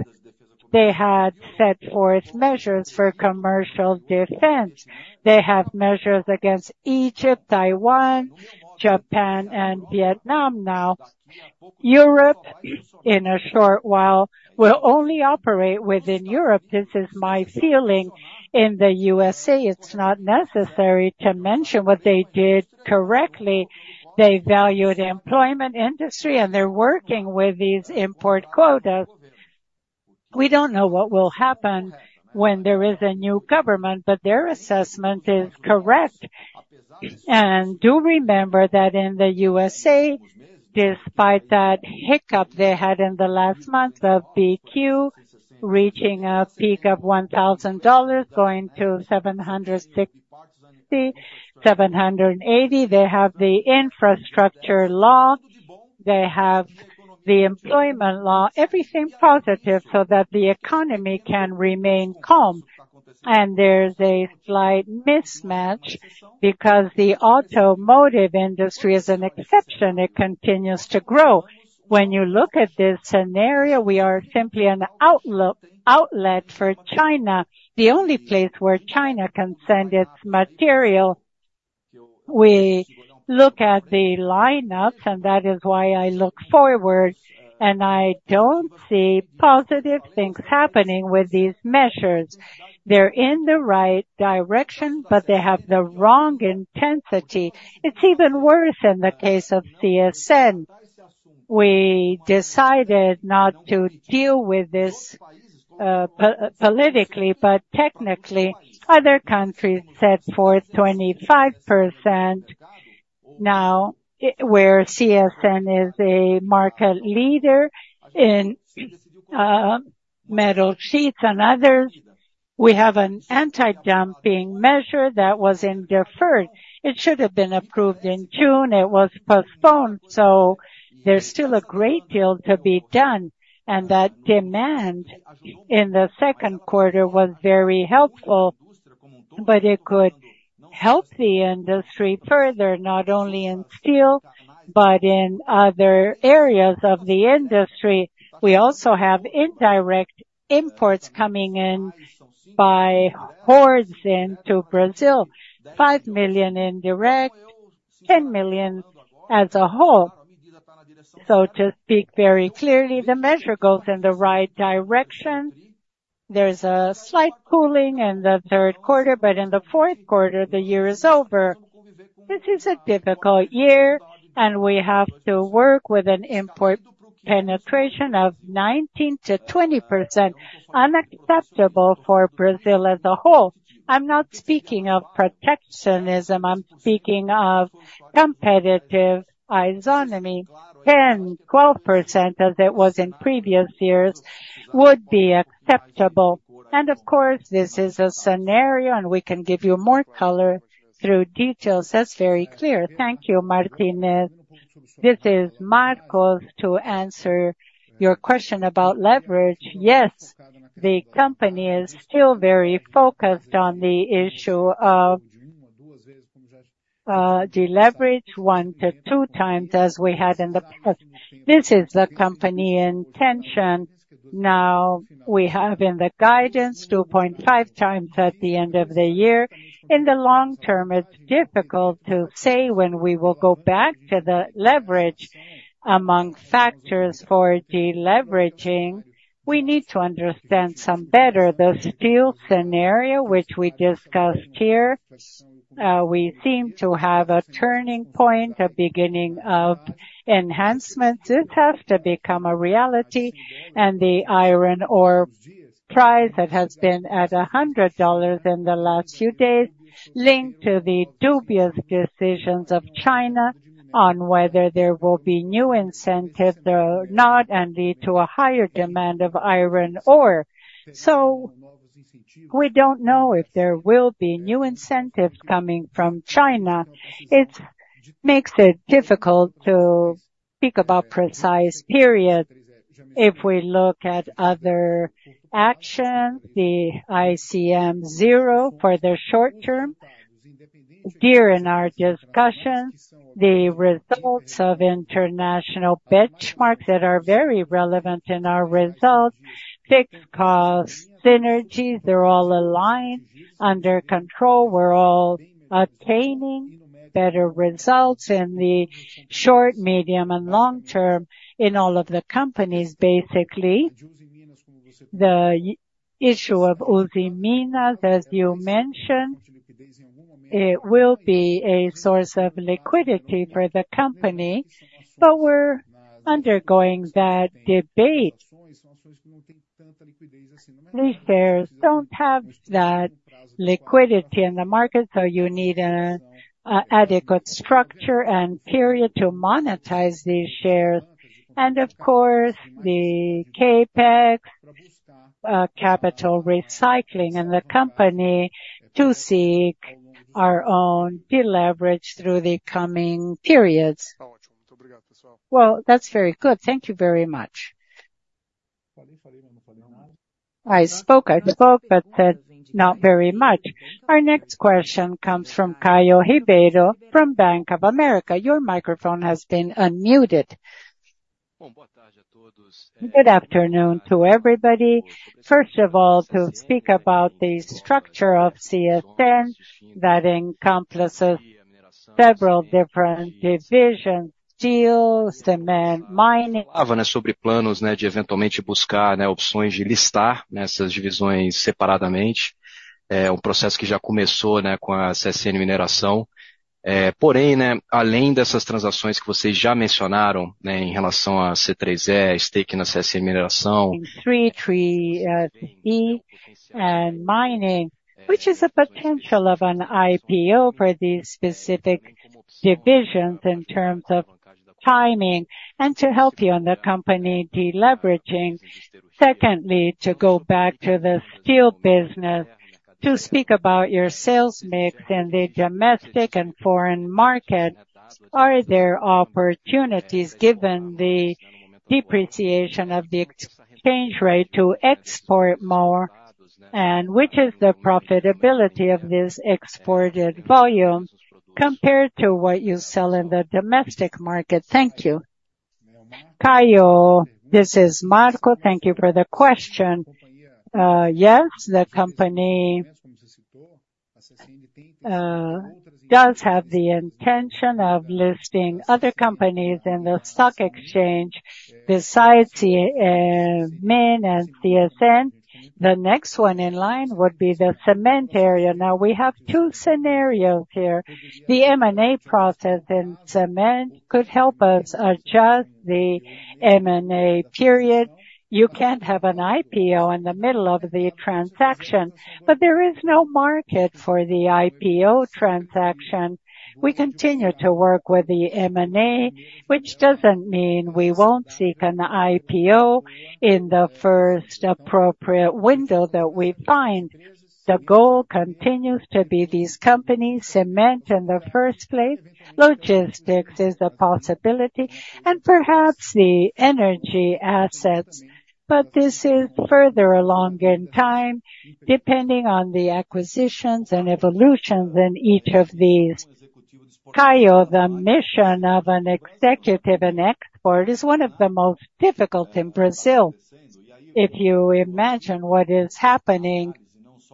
they had set forth measures for commercial defense. They have measures against Egypt, Taiwan, Japan and Vietnam now. Europe, in a short while, will only operate within Europe. This is my feeling. In the USA, it's not necessary to mention what they did correctly. They value the employment industry, and they're working with these import quotas. We don't know what will happen when there is a new government, but their assessment is correct. And do remember that in the USA, despite that hiccup they had in the last month of BQ, reaching a peak of $1,000, going to $760-$780, they have the infrastructure law, they have the employment law, everything positive so that the economy can remain calm. And there's a slight mismatch, because the automotive industry is an exception, it continues to grow. When you look at this scenario, we are simply an outlet for China, the only place where China can send its material. We look at the lineups, and that is why I look forward, and I don't see positive things happening with these measures. They're in the right direction, but they have the wrong intensity. It's even worse in the case of CSN. We decided not to deal with this politically, but technically, other countries set forth 25%. Now, where CSN is a market leader in metal sheets and others, we have an anti-dumping measure that was in deferred. It should have been approved in June. It was postponed, so there's still a great deal to be done, and that demand in the second quarter was very helpful. But it could help the industry further, not only in steel, but in other areas of the industry. We also have indirect imports coming in by hordes into Brazil. 5 million direct, 10 million as a whole. So to speak very clearly, the measure goes in the right direction. There's a slight cooling in the third quarter, but in the fourth quarter, the year is over. This is a difficult year, and we have to work with an import penetration of 19%-20%, unacceptable for Brazil as a whole. I'm not speaking of protectionism, I'm speaking of competitive isonomy. 10, 12%, as it was in previous years, would be acceptable. And of course, this is a scenario, and we can give you more color through details. That's very clear. Thank you, Martinez. This is Marcos to answer your question about leverage. Yes, the company is still very focused on the issue of deleverage 1-2 times, as we had in the past. This is the company intention. Now, we have in the guidance 2.5 times at the end of the year. In the long term, it's difficult to say when we will go back to the leverage. Among factors for deleveraging, we need to understand some better the steel scenario, which we discussed here. We seem to have a turning point, a beginning of enhancements. This has to become a reality, and the iron ore price that has been at $100 in the last few days, linked to the dubious decisions of China on whether there will be new incentives or not, and lead to a higher demand of iron ore. We don't know if there will be new incentives coming from China. It makes it difficult to speak about precise period. If we look at other action, the ICMS zero for the short term, here in our discussions, the results of international benchmarks that are very relevant in our results, fixed cost synergies, they're all aligned, under control. We're all obtaining better results in the short, medium, and long term in all of the companies basically. The issue of Usiminas, as you mentioned, it will be a source of liquidity for the company, but we're undergoing that debate. These shares don't have that liquidity in the market, so you need an adequate structure and period to monetize these shares. And of course, the CapEx, capital recycling in the company to seek our own deleverage through the coming periods. Well, that's very good. Thank you very much. I spoke, I spoke, but not very much. Our next question comes from Caio Ribeiro from Bank of America. Your microphone has been unmuted. Good afternoon to everybody. First of all, to speak about the structure of CSN, that encompasses several different divisions: steel, cement, mining. CEEE-G and mining, which is a potential of an IPO for these specific divisions in terms of timing and to help you on the company deleveraging. Secondly, to go back to the steel business, to speak about your sales mix in the domestic and foreign market, are there opportunities, given the depreciation of the exchange rate, to export more? And which is the profitability of this exported volume compared to what you sell in the domestic market? Thank you. Caio, this is Marco. Thank you for the question. Yes, the company does have the intention of listing other companies in the stock exchange. Besides the Min and CSN, the next one in line would be the cement area. Now, we have two scenarios here. The M&A process in cement could help us adjust the M&A period. You can't have an IPO in the middle of the transaction, but there is no market for the IPO transaction. We continue to work with the M&A, which doesn't mean we won't seek an IPO in the first appropriate window that we find. The goal continues to be these companies, cement in the first place, logistics is a possibility, and perhaps the energy assets. But this is further along in time, depending on the acquisitions and evolutions in each of these. Caio, the mission of an executive in export is one of the most difficult in Brazil. If you imagine what is happening,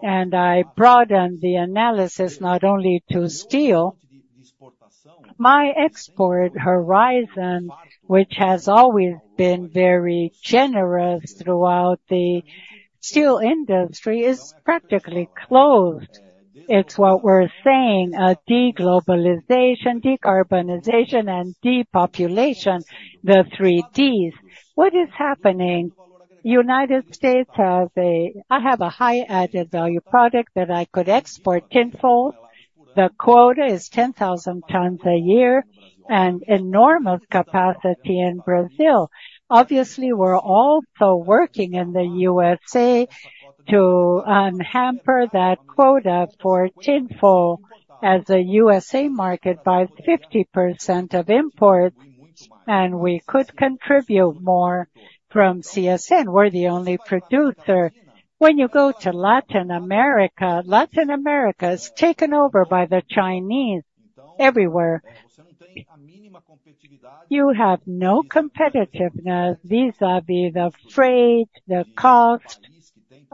and I broaden the analysis not only to steel, my export horizon, which has always been very generous throughout the steel industry, is practically closed. It's what we're saying, a deglobalization, decarbonization, and depopulation, the three Ds. What is happening? United States has a-- I have a high added value product that I could export tenfold. The quota is 10,000 tons a year and enormous capacity in Brazil. Obviously, we're also working in the USA to hamper that quota for tenfold as a USA market by 50% of imports, and we could contribute more from CSN. We're the only producer. When you go to Latin America, Latin America is taken over by the Chinese everywhere. You have no competitiveness, vis-à-vis the freight, the cost,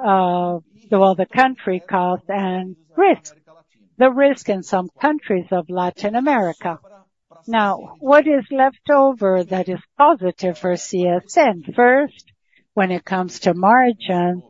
so all the country cost and risk, the risk in some countries of Latin America. Now, what is left over that is positive for CSN? First, when it comes to margin,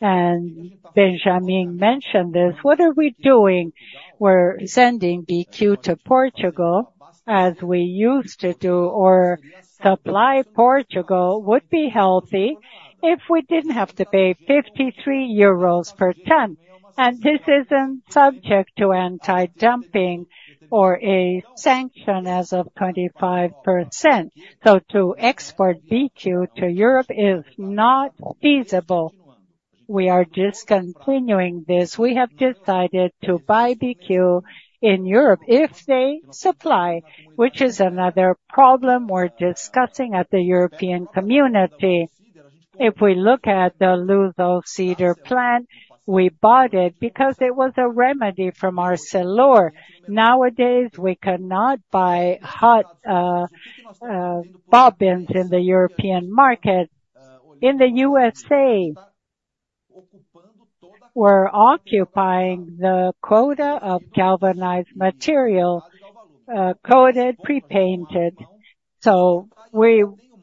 and Benjamin mentioned this, what are we doing? We're sending BQ to Portugal, as we used to do, or supply Portugal would be healthy if we didn't have to pay 53 euros per ton. And this isn't subject to anti-dumping or a sanction of 25%. So to export BQ to Europe is not feasible. We are discontinuing this. We have decided to buy BQ in Europe if they supply, which is another problem we're discussing at the European community. If we look at the Lusosider plant, we bought it because it was a remedy from our seller. Nowadays, we cannot buy hot bobbins in the European market. In the USA, we're occupying the quota of galvanized material, coated, pre-painted. So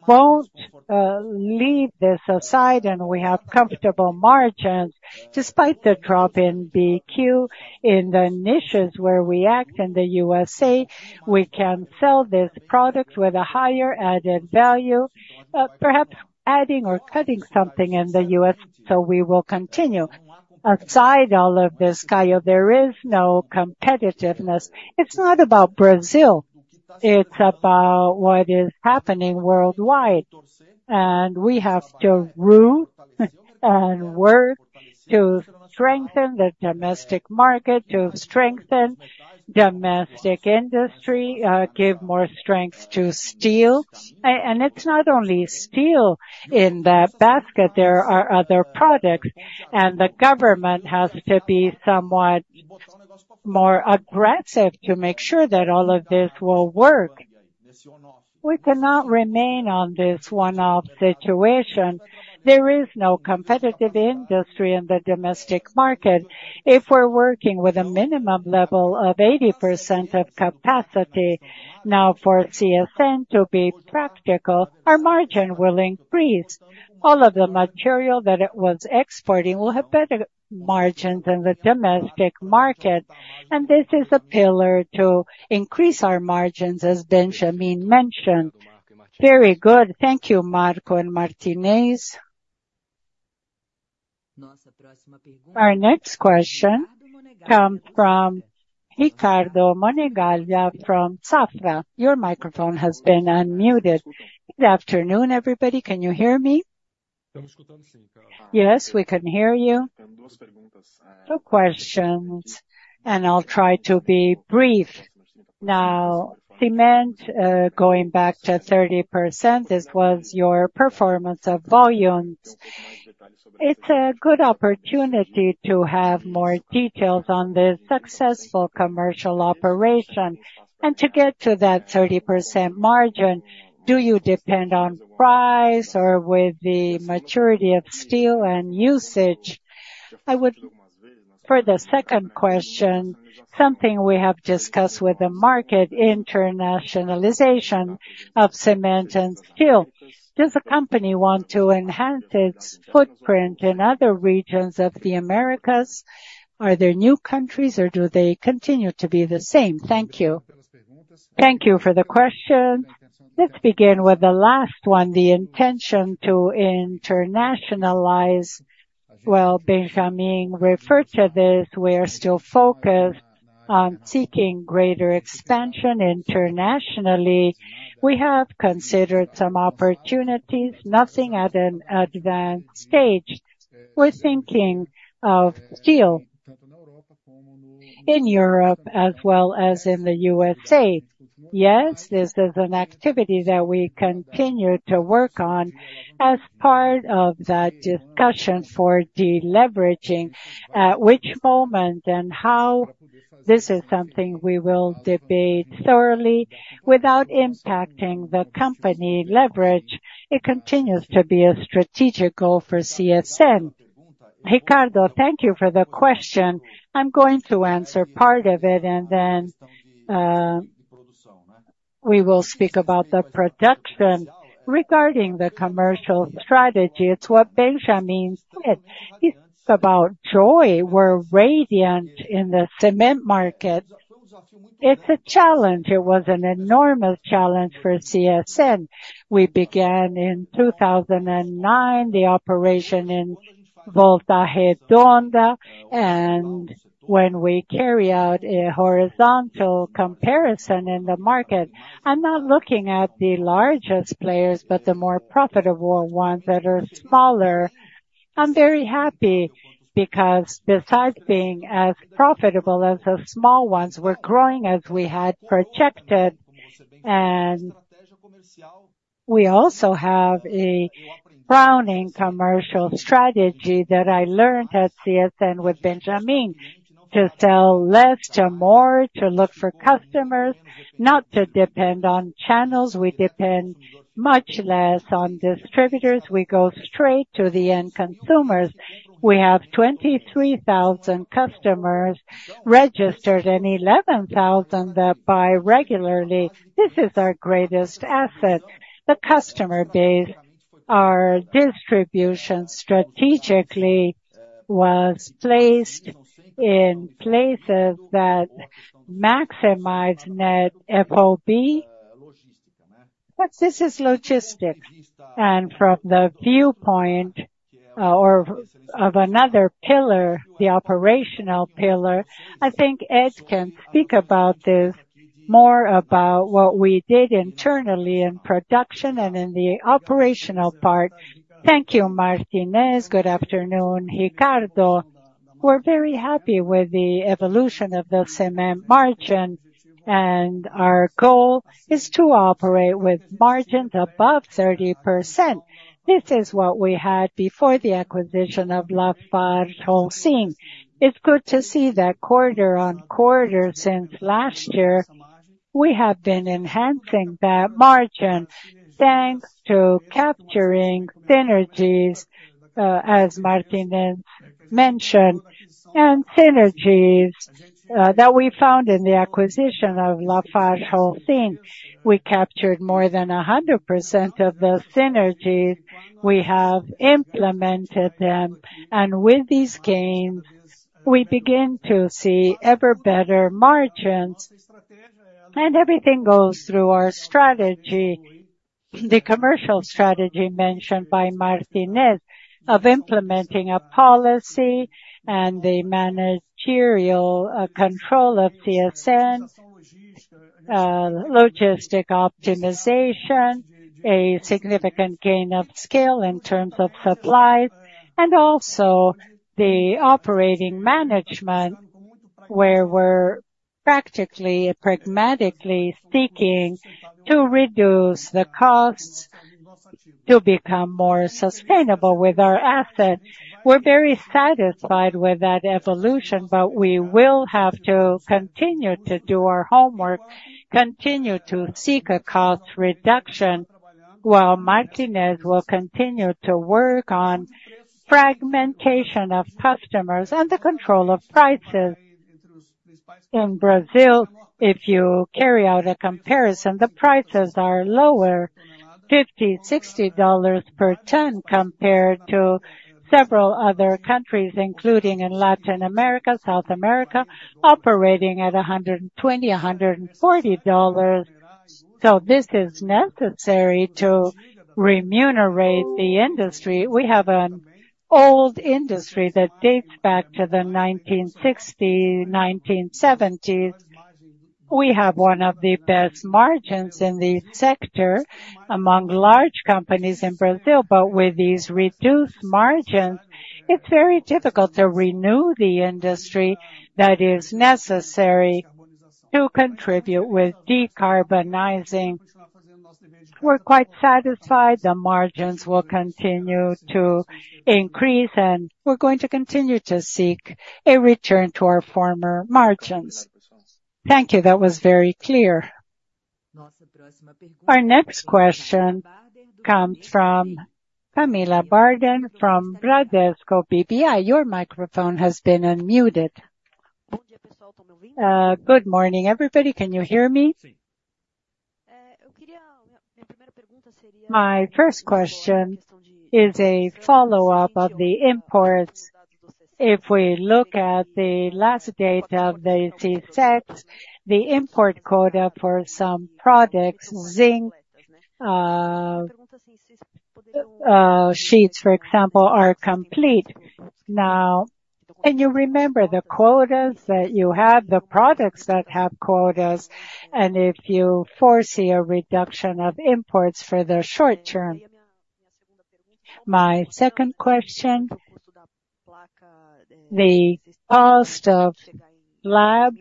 we won't leave this aside, and we have comfortable margins. Despite the drop in BQ, in the niches where we act in the USA, we can sell these products with a higher added value, perhaps adding or cutting something in the U.S., so we will continue. Aside all of this, Caio, there is no competitiveness. It's not about Brazil, it's about what is happening worldwide. And we have to rule and work to strengthen the domestic market, to strengthen domestic industry, give more strength to steel. And it's not only steel in the basket, there are other products, and the government has to be somewhat more aggressive to make sure that all of this will work. We cannot remain on this one-off situation. There is no competitive industry in the domestic market. If we're working with a minimum level of 80% of capacity now for CSN to be practical, our margin will increase. All of the material that it was exporting will have better margins in the domestic market, and this is a pillar to increase our margins, as Benjamin mentioned. Very good. Thank you, Marco and Martinez. Our next question comes from Ricardo Monegaglia from Safra. Your microphone has been unmuted. Good afternoon, everybody. Can you hear me? Yes, we can hear you. Two questions, and I'll try to be brief. Now, cement, going back to 30%, this was your performance of volumes. It's a good opportunity to have more details on this successful commercial operation. And to get to that 30% margin, do you depend on price or with the maturity of steel and usage? For the second question, something we have discussed with the market, internationalization of cement and steel. Does the company want to enhance its footprint in other regions of the Americas? Are there new countries or do they continue to be the same? Thank you. Thank you for the question. Let's begin with the last one, the intention to internationalize. Well, Benjamin referred to this. We are still focused on seeking greater expansion internationally. We have considered some opportunities, nothing at an advanced stage. We're thinking of steel in Europe as well as in the USA. Yes, this is an activity that we continue to work on as part of that discussion for deleveraging. At which moment and how, this is something we will debate thoroughly without impacting the company leverage. It continues to be a strategic goal for CSN. Ricardo, thank you for the question. I'm going to answer part of it, and then we will speak about the production. Regarding the commercial strategy, it's what Benjamin said. It's about joy. We're radiant in the cement market. It's a challenge. It was an enormous challenge for CSN. We began in 2009, the operation in Volta Redonda, and when we carry out a horizontal comparison in the market, I'm not looking at the largest players, but the more profitable ones that are smaller. I'm very happy because besides being as profitable as the small ones, we're growing as we had projected, and we also have a rounding commercial strategy that I learned at CSN with Benjamin, to sell less to more, to look for customers, not to depend on channels. We depend much less on distributors. We go straight to the end consumers. We have 23,000 customers registered and 11,000 that buy regularly. This is our greatest asset, the customer base. Our distribution strategically was placed in places that maximize net FOB. But this is logistics, and from the viewpoint, or of another pillar, the operational pillar, I think Ed can speak about this. More about what we did internally in production and in the operational part. Thank you, Martinez. Good afternoon, Ricardo. We're very happy with the evolution of the cement margin, and our goal is to operate with margins above 30%. This is what we had before the acquisition of Lafarge Holcim. It's good to see that quarter-on-quarter since last year, we have been enhancing that margin, thanks to capturing synergies, as Martinez mentioned, and synergies that we found in the acquisition of Lafarge Holcim. We captured more than 100% of the synergies. We have implemented them, and with these gains, we begin to see ever better margins. Everything goes through our strategy, the commercial strategy mentioned by Martinez, of implementing a policy and the managerial control of CSN, logistic optimization, a significant gain of skill in terms of supplies, and also the operating management, where we're practically, pragmatically seeking to reduce the costs to become more sustainable with our assets. We're very satisfied with that evolution, but we will have to continue to do our homework, continue to seek a cost reduction, while Martinez will continue to work on fragmentation of customers and the control of prices. In Brazil, if you carry out a comparison, the prices are lower, $50-$60 per ton, compared to several other countries, including in Latin America, South America, operating at $120-$140. So this is necessary to remunerate the industry. We have an old industry that dates back to the 1960, 1970s. We have one of the best margins in the sector among large companies in Brazil, but with these reduced margins, it's very difficult to renew the industry that is necessary to contribute with decarbonizing. We're quite satisfied. The margins will continue to increase, and we're going to continue to seek a return to our former margins. Thank you. That was very clear. Our next question comes from Camilla Bardini from Bradesco BBI. Your microphone has been unmuted. Good morning, everybody. Can you hear me? My first question is a follow-up of the imports. If we look at the last data of the SECEX, the import quota for some products, zinc, sheets, for example, are complete. Now, and you remember the quotas that you have, the products that have quotas, and if you foresee a reduction of imports for the short term. My second question, the cost of slab,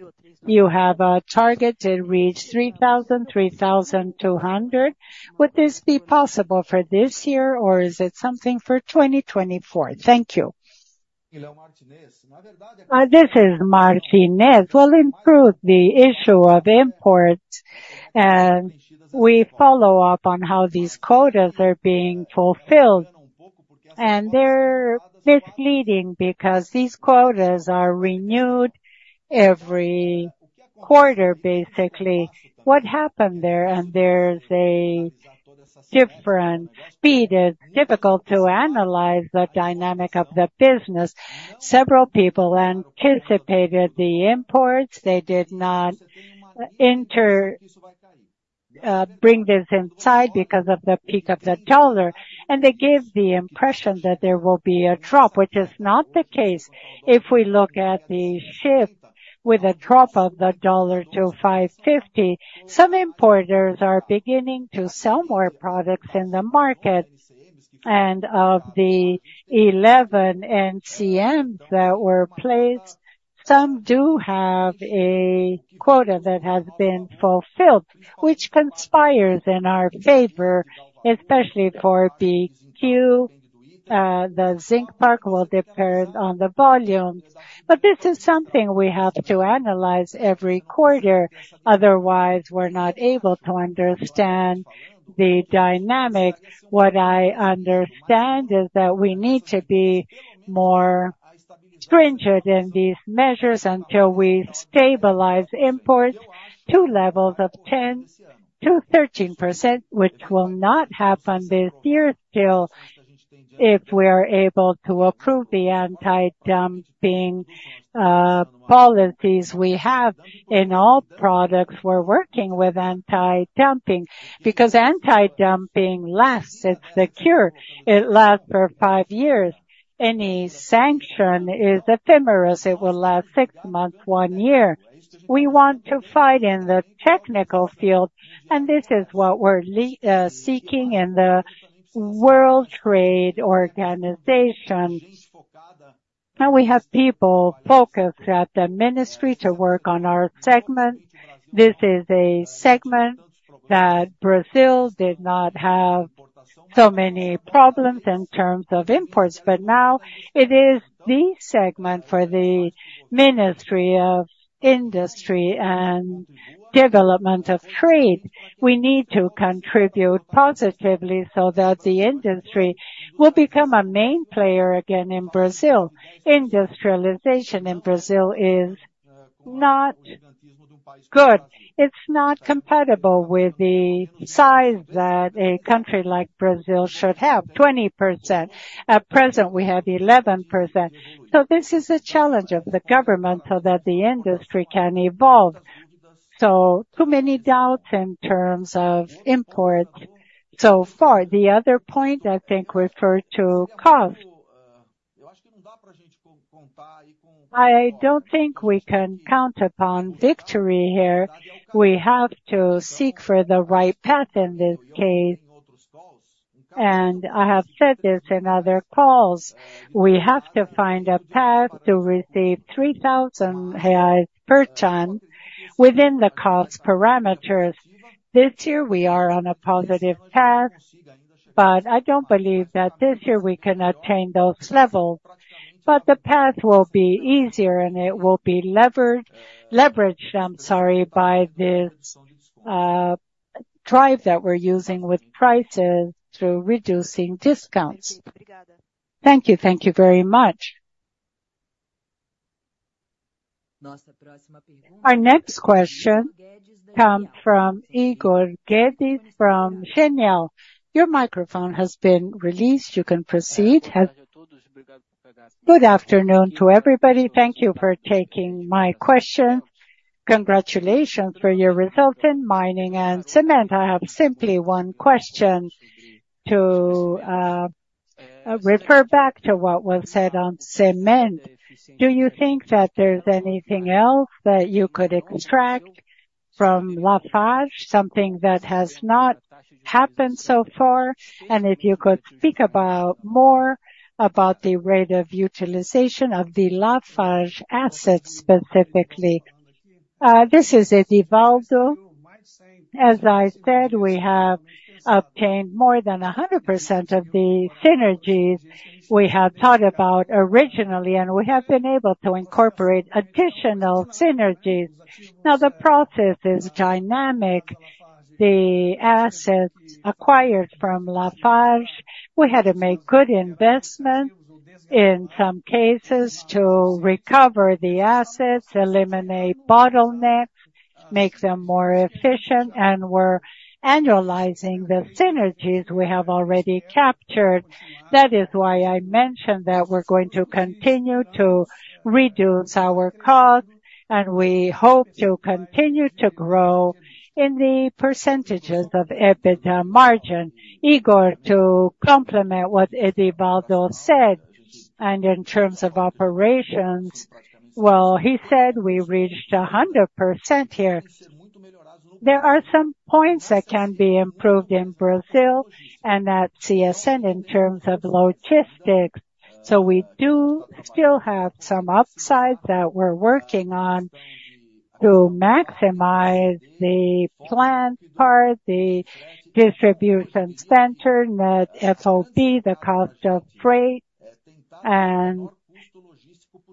you have a target to reach 3,000, 3,200. Would this be possible for this year, or is it something for 2024? Thank you. This is Martinez. We'll improve the issue of imports, and we follow up on how these quotas are being fulfilled. And they're misleading, because these quotas are renewed every quarter, basically. What happened there, and there's a different speed, it's difficult to analyze the dynamic of the business. Several people anticipated the imports. They did not import this because of the peak of the dollar, and they gave the impression that there will be a drop, which is not the case. If we look at the shift with a drop of the dollar to 5.50, some importers are beginning to sell more products in the market, and of the 11 NCMs that were placed, some do have a quota that has been fulfilled, which conspires in our favor, especially for the Q. The zinc part will depend on the volume. But this is something we have to analyze every quarter, otherwise, we're not able to understand the dynamic. What I understand is that we need to be more stringent in these measures until we stabilize imports to levels of 10%-13%, which will not happen this year, still. If we are able to approve the anti-dumping policies we have in all products, we're working with anti-dumping. Because anti-dumping lasts, it's the cure. It lasts for five years. Any sanction is ephemeral, it will last six months, one year. We want to fight in the technical field, and this is what we're seeking in the World Trade Organization. Now we have people focused at the ministry to work on our segment. This is a segment that Brazil did not have so many problems in terms of imports, but now it is the segment for the Ministry of Industry and Development of Trade. We need to contribute positively so that the industry will become a main player again in Brazil. Industrialization in Brazil is not good. It's not compatible with the size that a country like Brazil should have, 20%. At present, we have 11%. This is a challenge of the government so that the industry can evolve. Too many doubts in terms of imports so far. The other point, I think, referred to cost. I don't think we can count upon victory here. We have to seek for the right path in this case, and I have said this in other calls. We have to find a path to receive 3,000 reais per ton within the cost parameters. This year, we are on a positive path, but I don't believe that this year we can attain those levels. But the path will be easier, and it will be levered, leveraged, I'm sorry, by the drive that we're using with prices through reducing discounts. Thank you. Thank you very much. Our next question comes from Igor Guedes, from Genial. Your microphone has been released. You can proceed. Good afternoon to everybody. Thank you for taking my question. Congratulations for your results in mining and cement. I have simply one question to refer back to what was said on cement. Do you think that there's anything else that you could extract from Lafarge, something that has not happened so far? And if you could speak about more about the rate of utilization of the Lafarge assets, specifically. This is Edvaldo. As I said, we have obtained more than 100% of the synergies we had thought about originally, and we have been able to incorporate additional synergies. Now, the process is dynamic. The assets acquired from Lafarge, we had to make good investments, in some cases, to recover the assets, eliminate bottlenecks, make them more efficient, and we're annualizing the synergies we have already captured. That is why I mentioned that we're going to continue to reduce our costs, and we hope to continue to grow in the percentages of EBITDA margin. Igor, to complement what Edvaldo said, and in terms of operations, well, he said we reached 100% here. There are some points that can be improved in Brazil and at CSN in terms of logistics. So we do still have some upsides that we're working on to maximize the plant part, the distribution center, net FOB, the cost of freight, and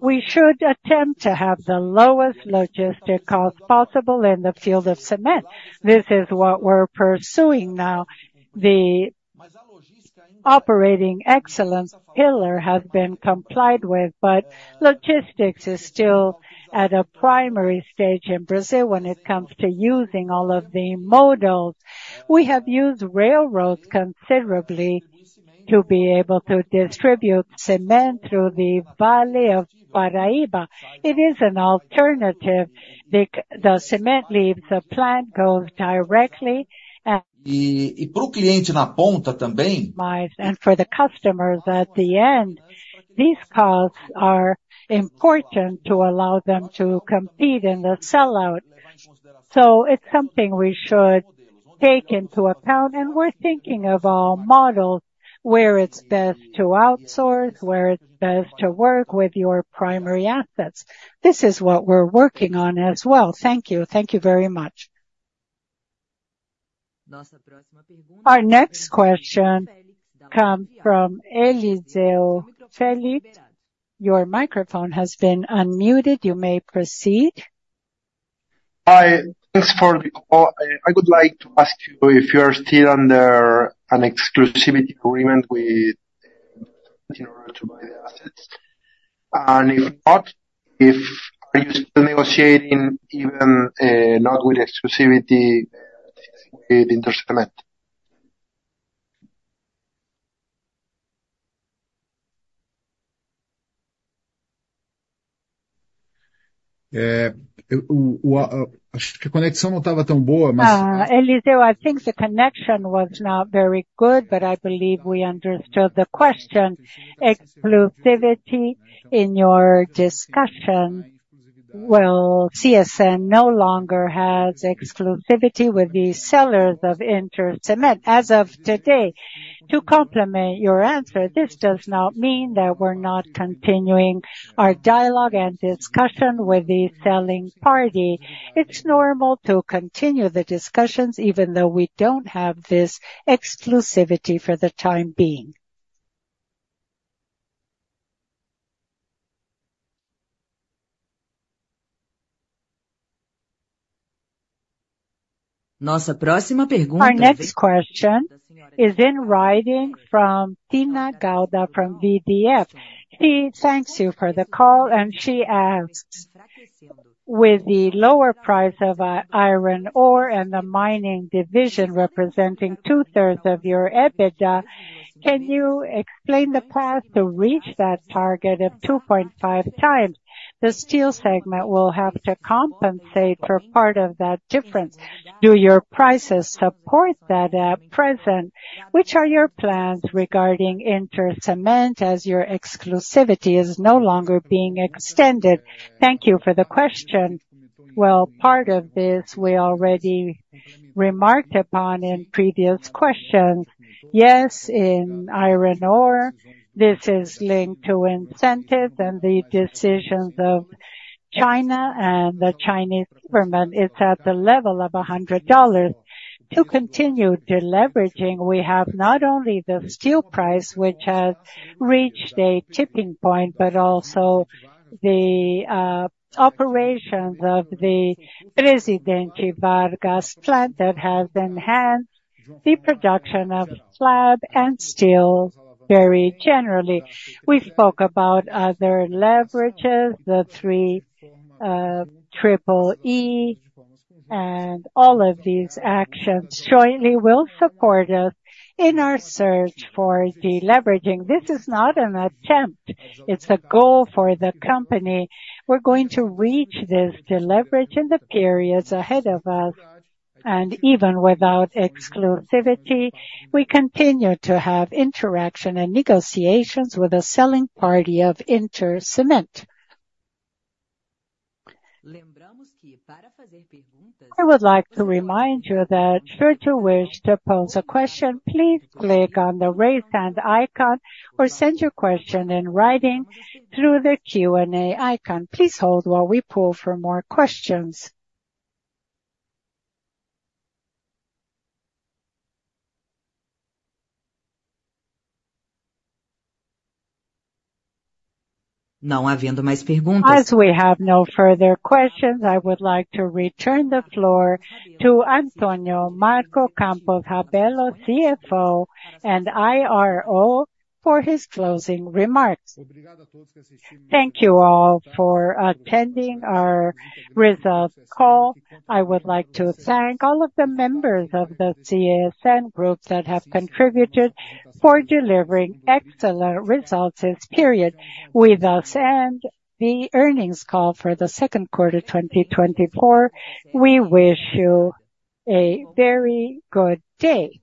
we should attempt to have the lowest logistic cost possible in the field of cement. This is what we're pursuing now. The operating excellence pillar has been complied with, but logistics is still at a primary stage in Brazil when it comes to using all of the modals. We have used railroads considerably to be able to distribute cement through the Paraíba Valley. It is an alternative, because the cement leaves, the plant goes directly, and for the customers at the end, these costs are important to allow them to compete in the sell-out. So it's something we should take into account, and we're thinking of our model, where it's best to outsource, where it's best to work with your primary assets. This is what we're working on as well. Thank you. Thank you very much. Our next question comes from Eliseu Félix. Your microphone has been unmuted. You may proceed. Hi, thanks for the call. I would like to ask you if you're still under an exclusivity agreement with in order to buy the assets? And if not, if are you still negotiating even, not with exclusivity, with InterCement? Eliseu, I think the connection was not very good, but I believe we understood the question. Exclusivity in your discussion. Well, CSN no longer has exclusivity with the sellers of InterCement as of today. To complement your answer, this does not mean that we're not continuing our dialogue and discussion with the selling party. It's normal to continue the discussions, even though we don't have this exclusivity for the time being. Our next question is in writing from Tina Gualda from VDF. She thanks you for the call, and she asks: With the lower price of iron ore and the mining division representing two-thirds of your EBITDA, can you explain the path to reach that target of 2.5 times? The steel segment will have to compensate for part of that difference. Do your prices support that at present? Which are your plans regarding InterCement, as your exclusivity is no longer being extended? Thank you for the question. Well, part of this we already remarked upon in previous questions. Yes, in iron ore, this is linked to incentives and the decisions of China and the Chinese government. It's at the level of $100. To continue deleveraging, we have not only the steel price, which has reached a tipping point, but also the operations of the Presidente Vargas plant that have enhanced the production of slab and steel very generally. We spoke about other leverages, the three, triple E, and all of these actions jointly will support us in our search for deleveraging. This is not an attempt; it's a goal for the company. We're going to reach this deleverage in the periods ahead of us, and even without exclusivity, we continue to have interaction and negotiations with the selling party of InterCement. I would like to remind you that should you wish to pose a question, please click on the Raise Hand icon or send your question in writing through the Q&A icon. Please hold while we poll for more questions. As we have no further questions, I would like to return the floor to Antônio Marcos Campos Rabello, CFO and IRO, for his closing remarks. Thank you all for attending our results call. I would like to thank all of the members of the CSN group that have contributed for delivering excellent results this period with us and the earnings call for the second quarter 2024. We wish you a very good day.